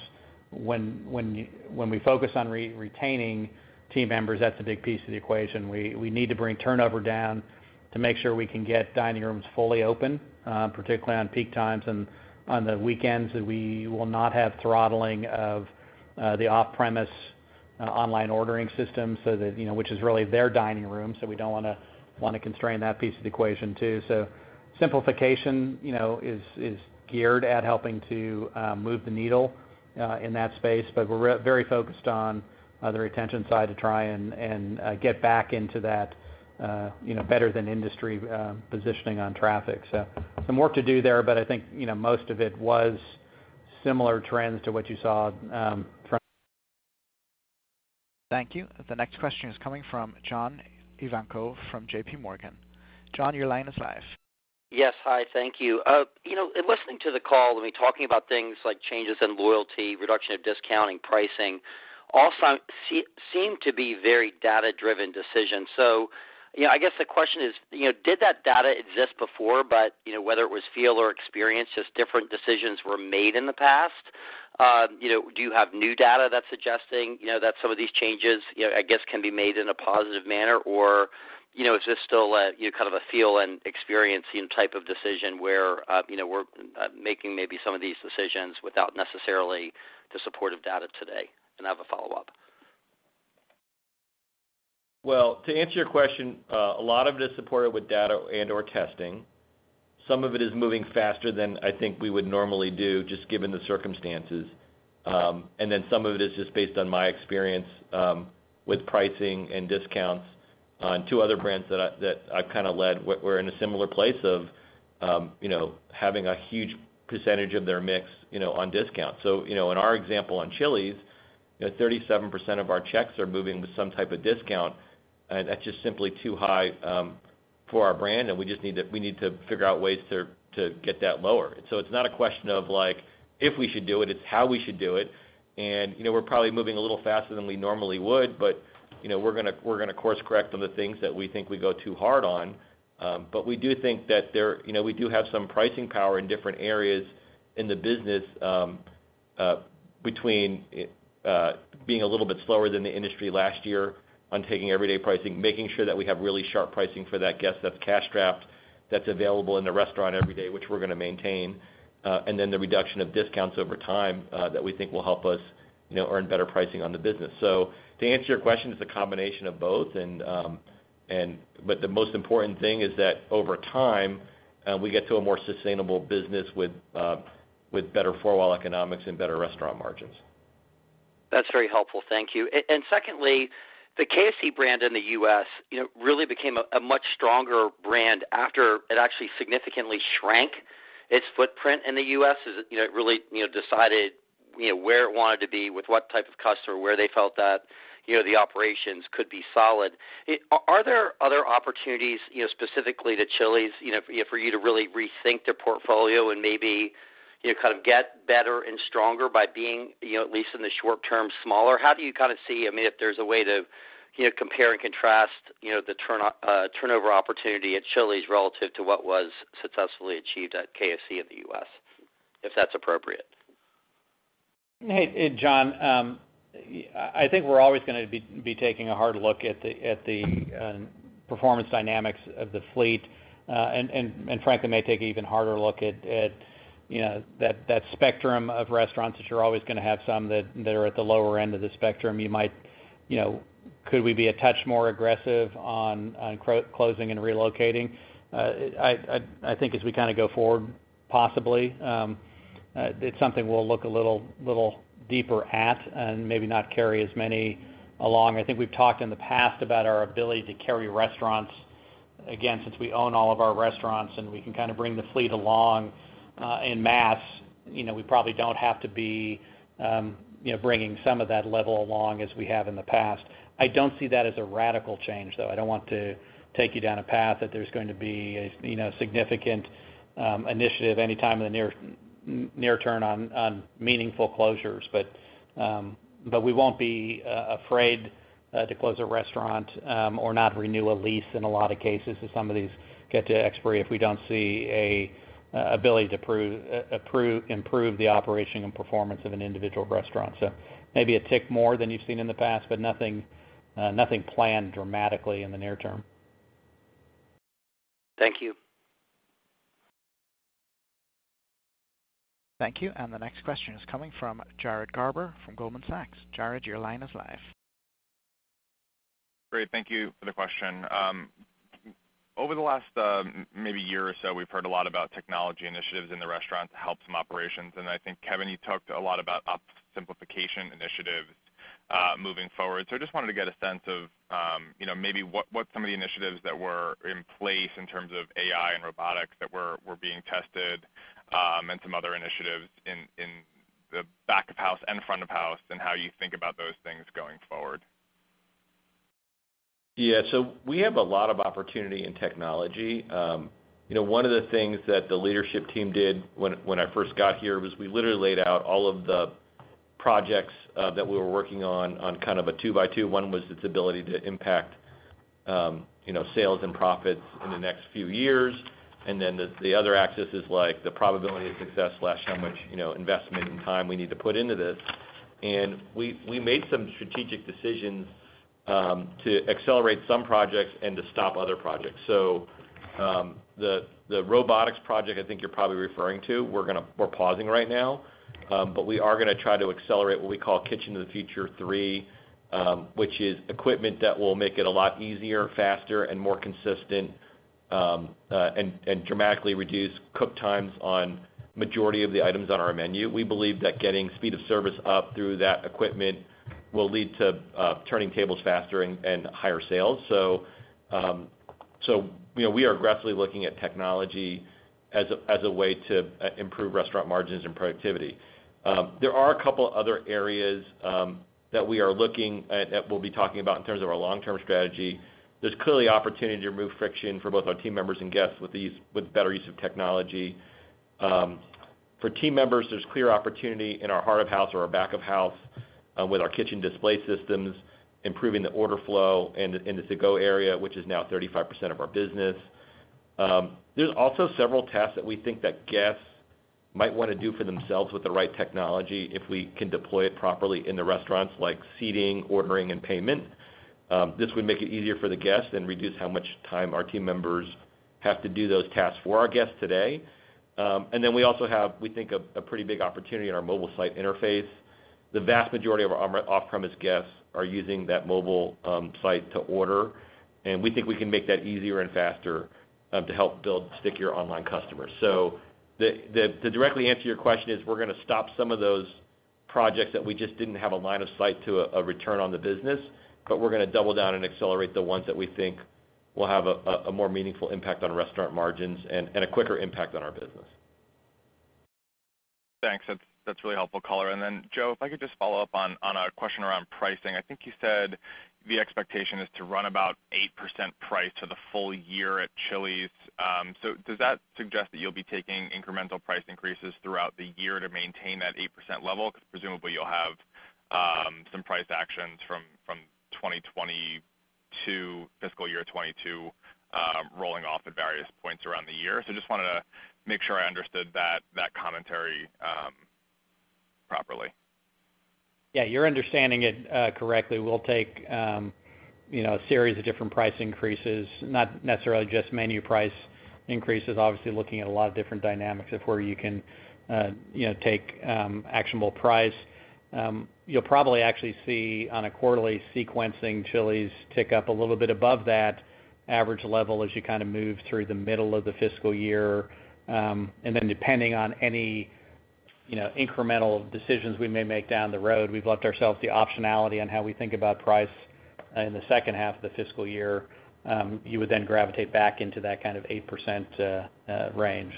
when we focus on retaining team members, that's a big piece of the equation. We need to bring turnover down to make sure we can get dining rooms fully open, particularly on peak times and on the weekends, that we will not have throttling of the off-premise. Online ordering system so that, you know, which is really their dining room, so we don't wanna constrain that piece of the equation too. Simplification, you know, is geared at helping to move the needle in that space. We're really very focused on the retention side to try and get back into that, you know, better than industry positioning on traffic. Some work to do there, but I think, you know, most of it was similar trends to what you saw from- Thank you. The next question is coming from John Ivankoe from JP Morgan. John, your line is live. Yes. Hi, thank you. You know, in listening to the call, when we talking about things like changes in loyalty, reduction of discounting, pricing, all seem to be very data-driven decisions. You know, I guess the question is, you know, did that data exist before, but, you know, whether it was feel or experience, just different decisions were made in the past? You know, do you have new data that's suggesting, you know, that some of these changes, you know, I guess, can be made in a positive manner? Or, you know, is this still a, you know, kind of a feel and experience-type of decision where, you know, we're making maybe some of these decisions without necessarily the support of data today? I have a follow-up. Well, to answer your question, a lot of it is supported with data and/or testing. Some of it is moving faster than I think we would normally do, just given the circumstances. Some of it is just based on my experience with pricing and discounts on two other brands that I've kinda led were in a similar place of, you know, having a huge percentage of their mix, you know, on discount. In our example on Chili's, you know, 37% of our checks are moving with some type of discount, and that's just simply too high for our brand, and we just need to figure out ways to get that lower. It's not a question of, like, if we should do it's how we should do it. You know, we're probably moving a little faster than we normally would, but, you know, we're gonna course correct on the things that we think we go too hard on. We do think that there, you know, we do have some pricing power in different areas in the business, between being a little bit slower than the industry last year on taking everyday pricing, making sure that we have really sharp pricing for that guest that's cash-strapped, that's available in the restaurant every day, which we're gonna maintain. Then the reduction of discounts over time, that we think will help us, you know, earn better pricing on the business. To answer your question, it's a combination of both. The most important thing is that over time, we get to a more sustainable business with better four-wall economics and better restaurant margins. That's very helpful. Thank you. Secondly, the KFC brand in the U.S., you know, really became a much stronger brand after it actually significantly shrank its footprint in the U.S. Is it, you know, it really, you know, decided, you know, where it wanted to be, with what type of customer, where they felt that, you know, the operations could be solid. Are there other opportunities, you know, specifically to Chili's, you know, for you to really rethink the portfolio and maybe, you know, kind of get better and stronger by being, you know, at least in the short term, smaller? How do you kinda see, I mean, if there's a way to, you know, compare and contrast, you know, the turnover opportunity at Chili's relative to what was successfully achieved at KFC in the U.S., if that's appropriate? Hey, John, I think we're always gonna be taking a hard look at the performance dynamics of the fleet. Frankly, we may take an even harder look at, you know, that spectrum of restaurants that you're always gonna have some that are at the lower end of the spectrum. You might, you know, could we be a touch more aggressive on closing and relocating? I think as we kinda go forward, possibly. It's something we'll look a little deeper at and maybe not carry as many along. I think we've talked in the past about our ability to carry restaurants. Again, since we own all of our restaurants and we can kinda bring the fleet along en masse, you know, we probably don't have to be bringing some of that level along as we have in the past. I don't see that as a radical change, though. I don't want to take you down a path that there's going to be a, you know, significant initiative anytime in the near term on meaningful closures. We won't be afraid to close a restaurant or not renew a lease in a lot of cases, if some of these get to expiry if we don't see an ability to improve the operation and performance of an individual restaurant. Maybe a tick more than you've seen in the past, but nothing planned dramatically in the near-term. Thank you. Thank you. The next question is coming from Jared Garber from Goldman Sachs. Jared, your line is live. Great. Thank you for the question. Over the last, maybe year or so, we've heard a lot about technology initiatives in the restaurant to help some operations. I think, Kevin, you talked a lot about ops simplification initiatives, moving forward. I just wanted to get a sense of, you know, maybe what's some of the initiatives that were in place in terms of AI and robotics that were being tested, and some other initiatives in the back of house and front of house, and how you think about those things going forward? Yeah. We have a lot of opportunity in technology. You know, one of the things that the leadership team did when I first got here was we literally laid out all of the projects that we were working on on kind of a two-by-two. One was its ability to impact you know sales and profits in the next few years. The other axis is like the probability of success, how much you know investment and time we need to put into this. We made some strategic decisions to accelerate some projects and to stop other projects. The robotics project I think you're probably referring to, we're pausing right now, but we are gonna try to accelerate what we call Kitchen of the Future III, which is equipment that will make it a lot easier, faster, and more consistent, and dramatically reduce cook times on majority of the items on our menu. We believe that getting speed of service up through that equipment will lead to turning tables faster and higher sales. You know, we are aggressively looking at technology as a way to improve restaurant margins and productivity. There are a couple other areas that we are looking at, we'll be talking about in terms of our long-term strategy. There's clearly opportunity to remove friction for both our team members and guests with these, with better use of technology. For team members, there's clear opportunity in our heart of house or our back of house, with our kitchen display systems, improving the order flow and in the to-go area, which is now 35% of our business. There's also several tasks that we think that guests might wanna do for themselves with the right technology if we can deploy it properly in the restaurants, like seating, ordering, and payment. This would make it easier for the guests and reduce how much time our team members have to do those tasks for our guests today. We also have, we think, a pretty big opportunity in our mobile site interface. The vast majority of our off-premise guests are using that mobile site to order, and we think we can make that easier and faster to help build stickier online customers. To directly answer your question, we're gonna stop some of those projects that we just didn't have a line of sight to a return on the business, but we're gonna double down and accelerate the ones that we think will have a more meaningful impact on restaurant margins and a quicker impact on our business. Thanks. That's really helpful color. Then Joe, if I could just follow up on a question around pricing. I think you said the expectation is to run about 8% price for the full year at Chili's. So does that suggest that you'll be taking incremental price increases throughout the year to maintain that 8% level? Because presumably you'll have some price actions from 2020 to fiscal year 2022 rolling off at various points around the year. Just wanted to make sure I understood that commentary properly. Yeah, you're understanding it correctly. We'll take, you know, a series of different price increases, not necessarily just menu price increases, obviously looking at a lot of different dynamics of where you can, you know, take actionable price. You'll probably actually see on a quarterly sequencing, Chili's tick up a little bit above that average level as you kinda move through the middle of the fiscal year. Depending on any, you know, incremental decisions we may make down the road, we've left ourselves the optionality on how we think about price in the second half of the fiscal year. You would then gravitate back into that kind of 8% range.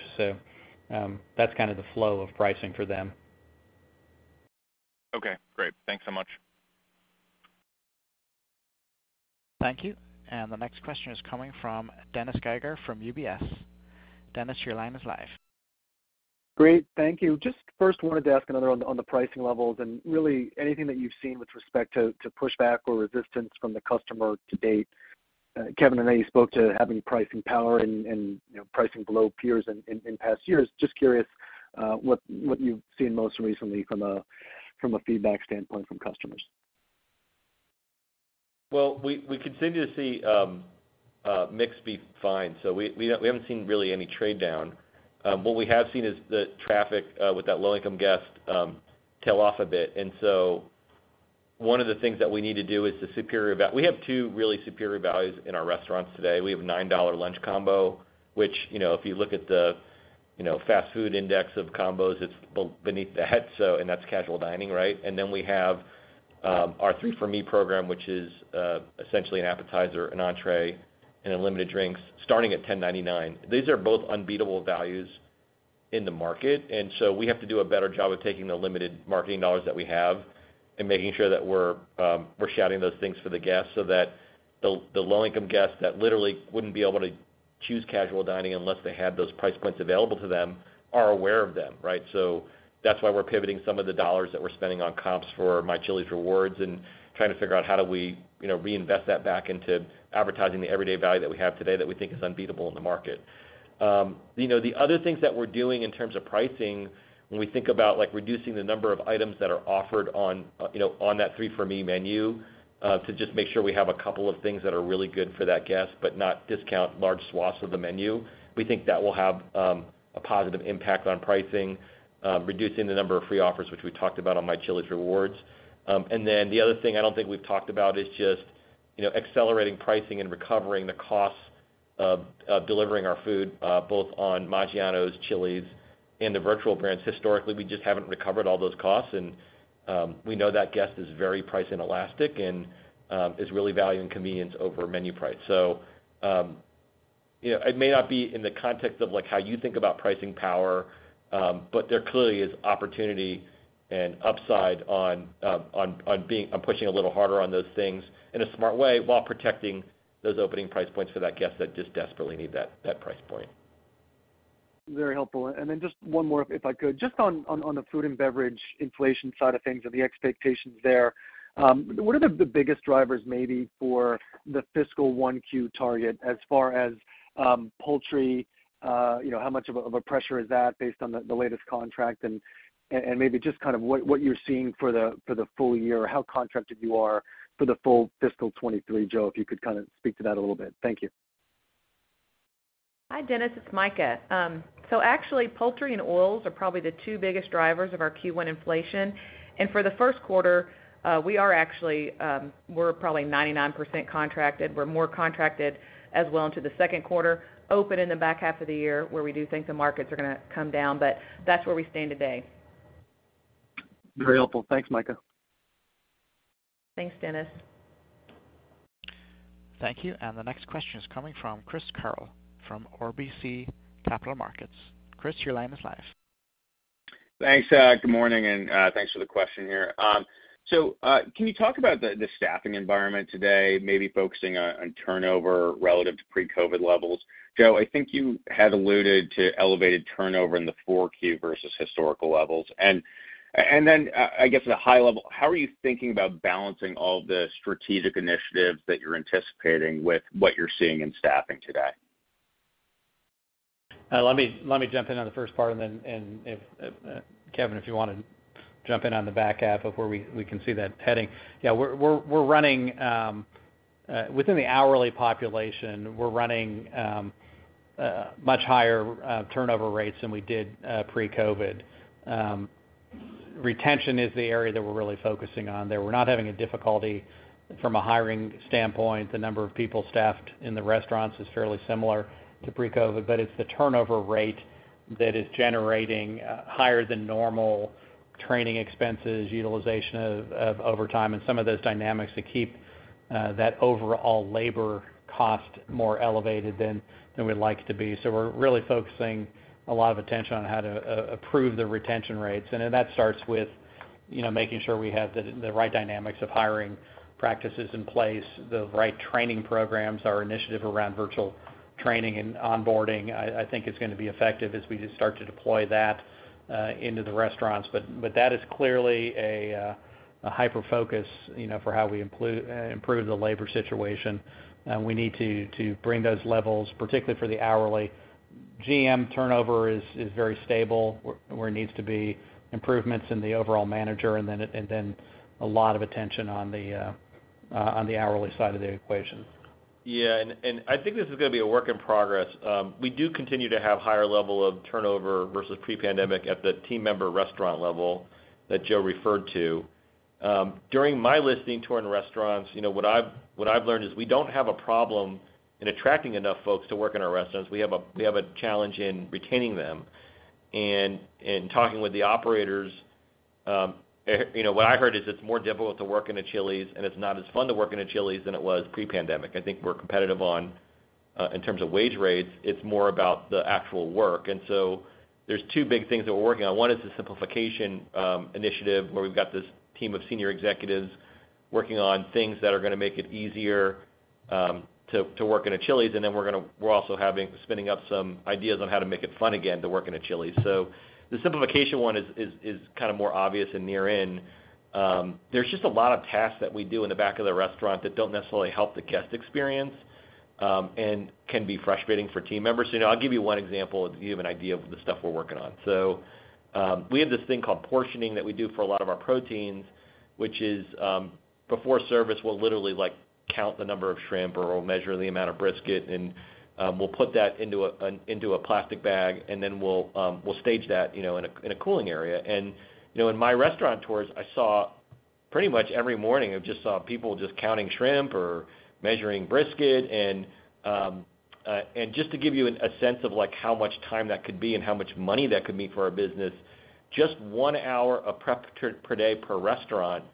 That's kind of the flow of pricing for them. Okay, great. Thanks so much. Thank you. The next question is coming from Dennis Geiger from UBS. Dennis, your line is live. Great. Thank you. Just first wanted to ask another on the pricing levels and really anything that you've seen with respect to pushback or resistance from the customer to date. Kevin, I know you spoke to having pricing power and you know, pricing below peers in past years. Just curious, what you've seen most recently from a feedback standpoint from customers? Well, we continue to see mix be fine, so we haven't seen really any trade down. What we have seen is the traffic with that low-income guest tail off a bit. One of the things that we need to do is. We have two really superior values in our restaurants today. We have a $9 lunch combo, which, you know, if you look at the, you know, fast food index of combos, it's beneath that. That's casual dining, right? Then we have our 3 for Me program, which is essentially an appetizer, an entree, and unlimited drinks starting at $10.99. These are both unbeatable values in the market, and so we have to do a better job of taking the limited marketing dollars that we have and making sure that we're shouting those things for the guests so that the low-income guests that literally wouldn't be able to choose casual dining unless they had those price points available to them are aware of them, right? That's why we're pivoting some of the dollars that we're spending on comps for My Chili's Rewards and trying to figure out how do we, you know, reinvest that back into advertising the everyday value that we have today that we think is unbeatable in the market. You know, the other things that we're doing in terms of pricing, when we think about, like, reducing the number of items that are offered on, you know, on that 3 for Me menu, to just make sure we have a couple of things that are really good for that guest, but not discount large swaths of the menu, we think that will have a positive impact on pricing, reducing the number of free offers, which we talked about on My Chili's Rewards. The other thing I don't think we've talked about is just, you know, accelerating pricing and recovering the costs of delivering our food, both on Maggiano's, Chili's, and the virtual brands. Historically, we just haven't recovered all those costs, and we know that guest is very price inelastic and is really valuing convenience over menu price. You know, it may not be in the context of, like, how you think about pricing power, but there clearly is opportunity and upside on pushing a little harder on those things in a smart way while protecting those opening price points for that guest that just desperately need that price point. Very helpful. Just one more, if I could. Just on the food and beverage inflation side of things and the expectations there, what are the biggest drivers maybe for the fiscal 1Q target as far as poultry, you know, how much of a pressure is that based on the latest contract and maybe just kind of what you're seeing for the full year, how contracted you are for the full fiscal 2023? Joe Taylor, if you could kinda speak to that a little bit. Thank you. Hi, Dennis. It's Mika. Actually, poultry and oils are probably the two biggest drivers of our Q1 inflation. For the first quarter, we are actually probably 99% contracted. We're more contracted as well into the second quarter, open in the back half of the year, where we do think the markets are gonna come down, but that's where we stand today. Very helpful. Thanks, Mika. Thanks, Dennis. Thank you. The next question is coming from Chris Carril from RBC Capital Markets. Chris, your line is live. Thanks. Good morning, and thanks for the question here. Can you talk about the staffing environment today, maybe focusing on turnover relative to pre-COVID levels? Joe, I think you had alluded to elevated turnover in the 4Q versus historical levels. Then I guess at a high level, how are you thinking about balancing all the strategic initiatives that you're anticipating with what you're seeing in staffing today? Let me jump in on the first part and if Kevin, if you wanna jump in on the back half of where we can see that heading. We're running much higher turnover rates than we did pre-COVID. Retention is the area that we're really focusing on there. We're not having a difficulty from a hiring standpoint. The number of people staffed in the restaurants is fairly similar to pre-COVID, but it's the turnover rate that is generating higher than normal training expenses, utilization of overtime and some of those dynamics that keep that overall labor cost more elevated than we'd like to be. We're really focusing a lot of attention on how to improve the retention rates. Then that starts with, you know, making sure we have the right dynamics of hiring practices in place, the right training programs. Our initiative around virtual training and onboarding, I think it's gonna be effective as we just start to deploy that into the restaurants. That is clearly a hyper-focus, you know, for how we improve the labor situation. We need to bring those levels, particularly for the hourly. GM turnover is very stable, where it needs to be. Improvements in the overall manager and then a lot of attention on the hourly side of the equation. I think this is gonna be a work in progress. We do continue to have higher level of turnover versus pre-pandemic at the team member restaurant level that Joe referred to. During my listening tour in restaurants, you know, what I've learned is we don't have a problem in attracting enough folks to work in our restaurants. We have a challenge in retaining them. In talking with the operators, you know, what I heard is it's more difficult to work in a Chili's, and it's not as fun to work in a Chili's than it was pre-pandemic. I think we're competitive in terms of wage rates. It's more about the actual work. There's two big things that we're working on. One is the simplification initiative, where we've got this team of senior executives working on things that are gonna make it easier to work in a Chili's. We're also spinning up some ideas on how to make it fun again to work in a Chili's. The simplification one is kinda more obvious and near-in. There's just a lot of tasks that we do in the back of the restaurant that don't necessarily help the guest experience and can be frustrating for team members. You know, I'll give you one example, you have an idea of the stuff we're working on. We have this thing called portioning that we do for a lot of our proteins, which is, before service, we'll literally, like, count the number of shrimp, or we'll measure the amount of brisket, and we'll put that into a plastic bag, and then we'll stage that, you know, in a cooling area. You know, in my restaurant tours, I saw pretty much every morning, I just saw people just counting shrimp or measuring brisket. Just to give you a sense of, like, how much time that could be and how much money that could mean for our business, just one hour of prep per day per restaurant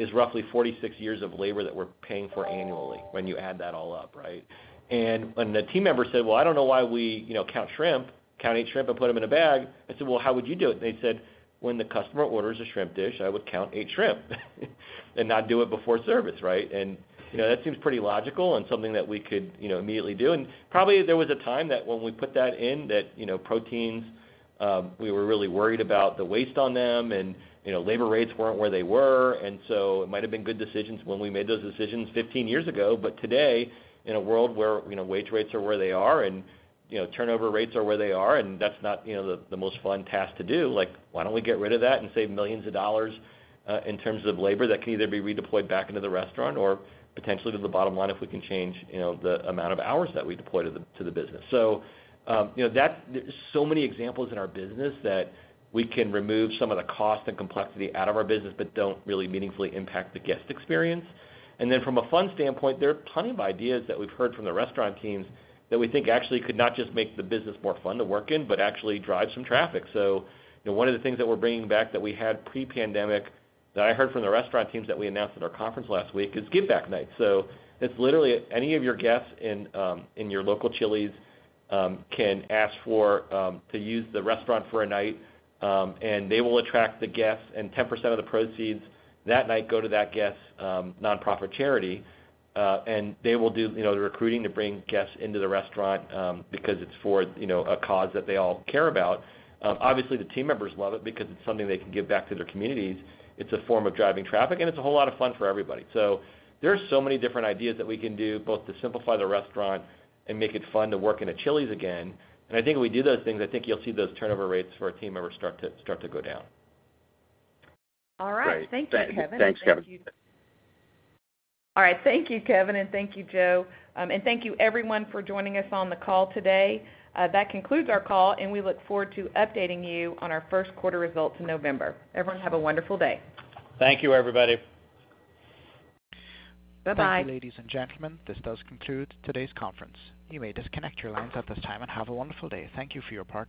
is roughly 46 years of labor that we're paying for annually when you add that all up, right? When the team member said, "Well, I don't know why we, you know, count shrimp, count each shrimp and put them in a bag." I said, "Well, how would you do it?" They said, "When the customer orders a shrimp dish, I would count eight shrimp and not do it before service, right?" You know, that seems pretty logical and something that we could, you know, immediately do. Probably there was a time that when we put that in, that, you know, proteins we were really worried about the waste on them and, you know, labor rates weren't where they were. It might have been good decisions when we made those decisions 15 years ago. Today, in a world where, you know, wage rates are where they are and, you know, turnover rates are where they are, and that's not, you know, the most fun task to do. Like, why don't we get rid of that and save millions of dollars in terms of labor that can either be redeployed back into the restaurant or potentially to the bottom line if we can change, you know, the amount of hours that we deploy to the business. So, you know, so many examples in our business that we can remove some of the cost and complexity out of our business, but don't really meaningfully impact the guest experience. From a fun standpoint, there are plenty of ideas that we've heard from the restaurant teams that we think actually could not just make the business more fun to work in, but actually drive some traffic. You know, one of the things that we're bringing back that we had pre-pandemic that I heard from the restaurant teams that we announced at our conference last week is give back night. It's literally any of your guests in your local Chili's can ask for to use the restaurant for a night, and they will attract the guests, and 10% of the proceeds that night go to that guest's nonprofit charity. They will do, you know, the recruiting to bring guests into the restaurant because it's for, you know, a cause that they all care about. Obviously, the team members love it because it's something they can give back to their communities. It's a form of driving traffic, and it's a whole lot of fun for everybody. There are so many different ideas that we can do both to simplify the restaurant and make it fun to work in a Chili's again. I think if we do those things, I think you'll see those turnover rates for our team members start to go down. All right. Thank you, Kevin. Thanks, Kevin. All right. Thank you, Kevin, and thank you, Joe. Thank you everyone for joining us on the call today. That concludes our call, and we look forward to updating you on our first quarter results in November. Everyone, have a wonderful day. Thank you, everybody. Bye-bye. Thank you, ladies and gentlemen. This does conclude today's conference. You may disconnect your lines at this time and have a wonderful day. Thank you for your participation.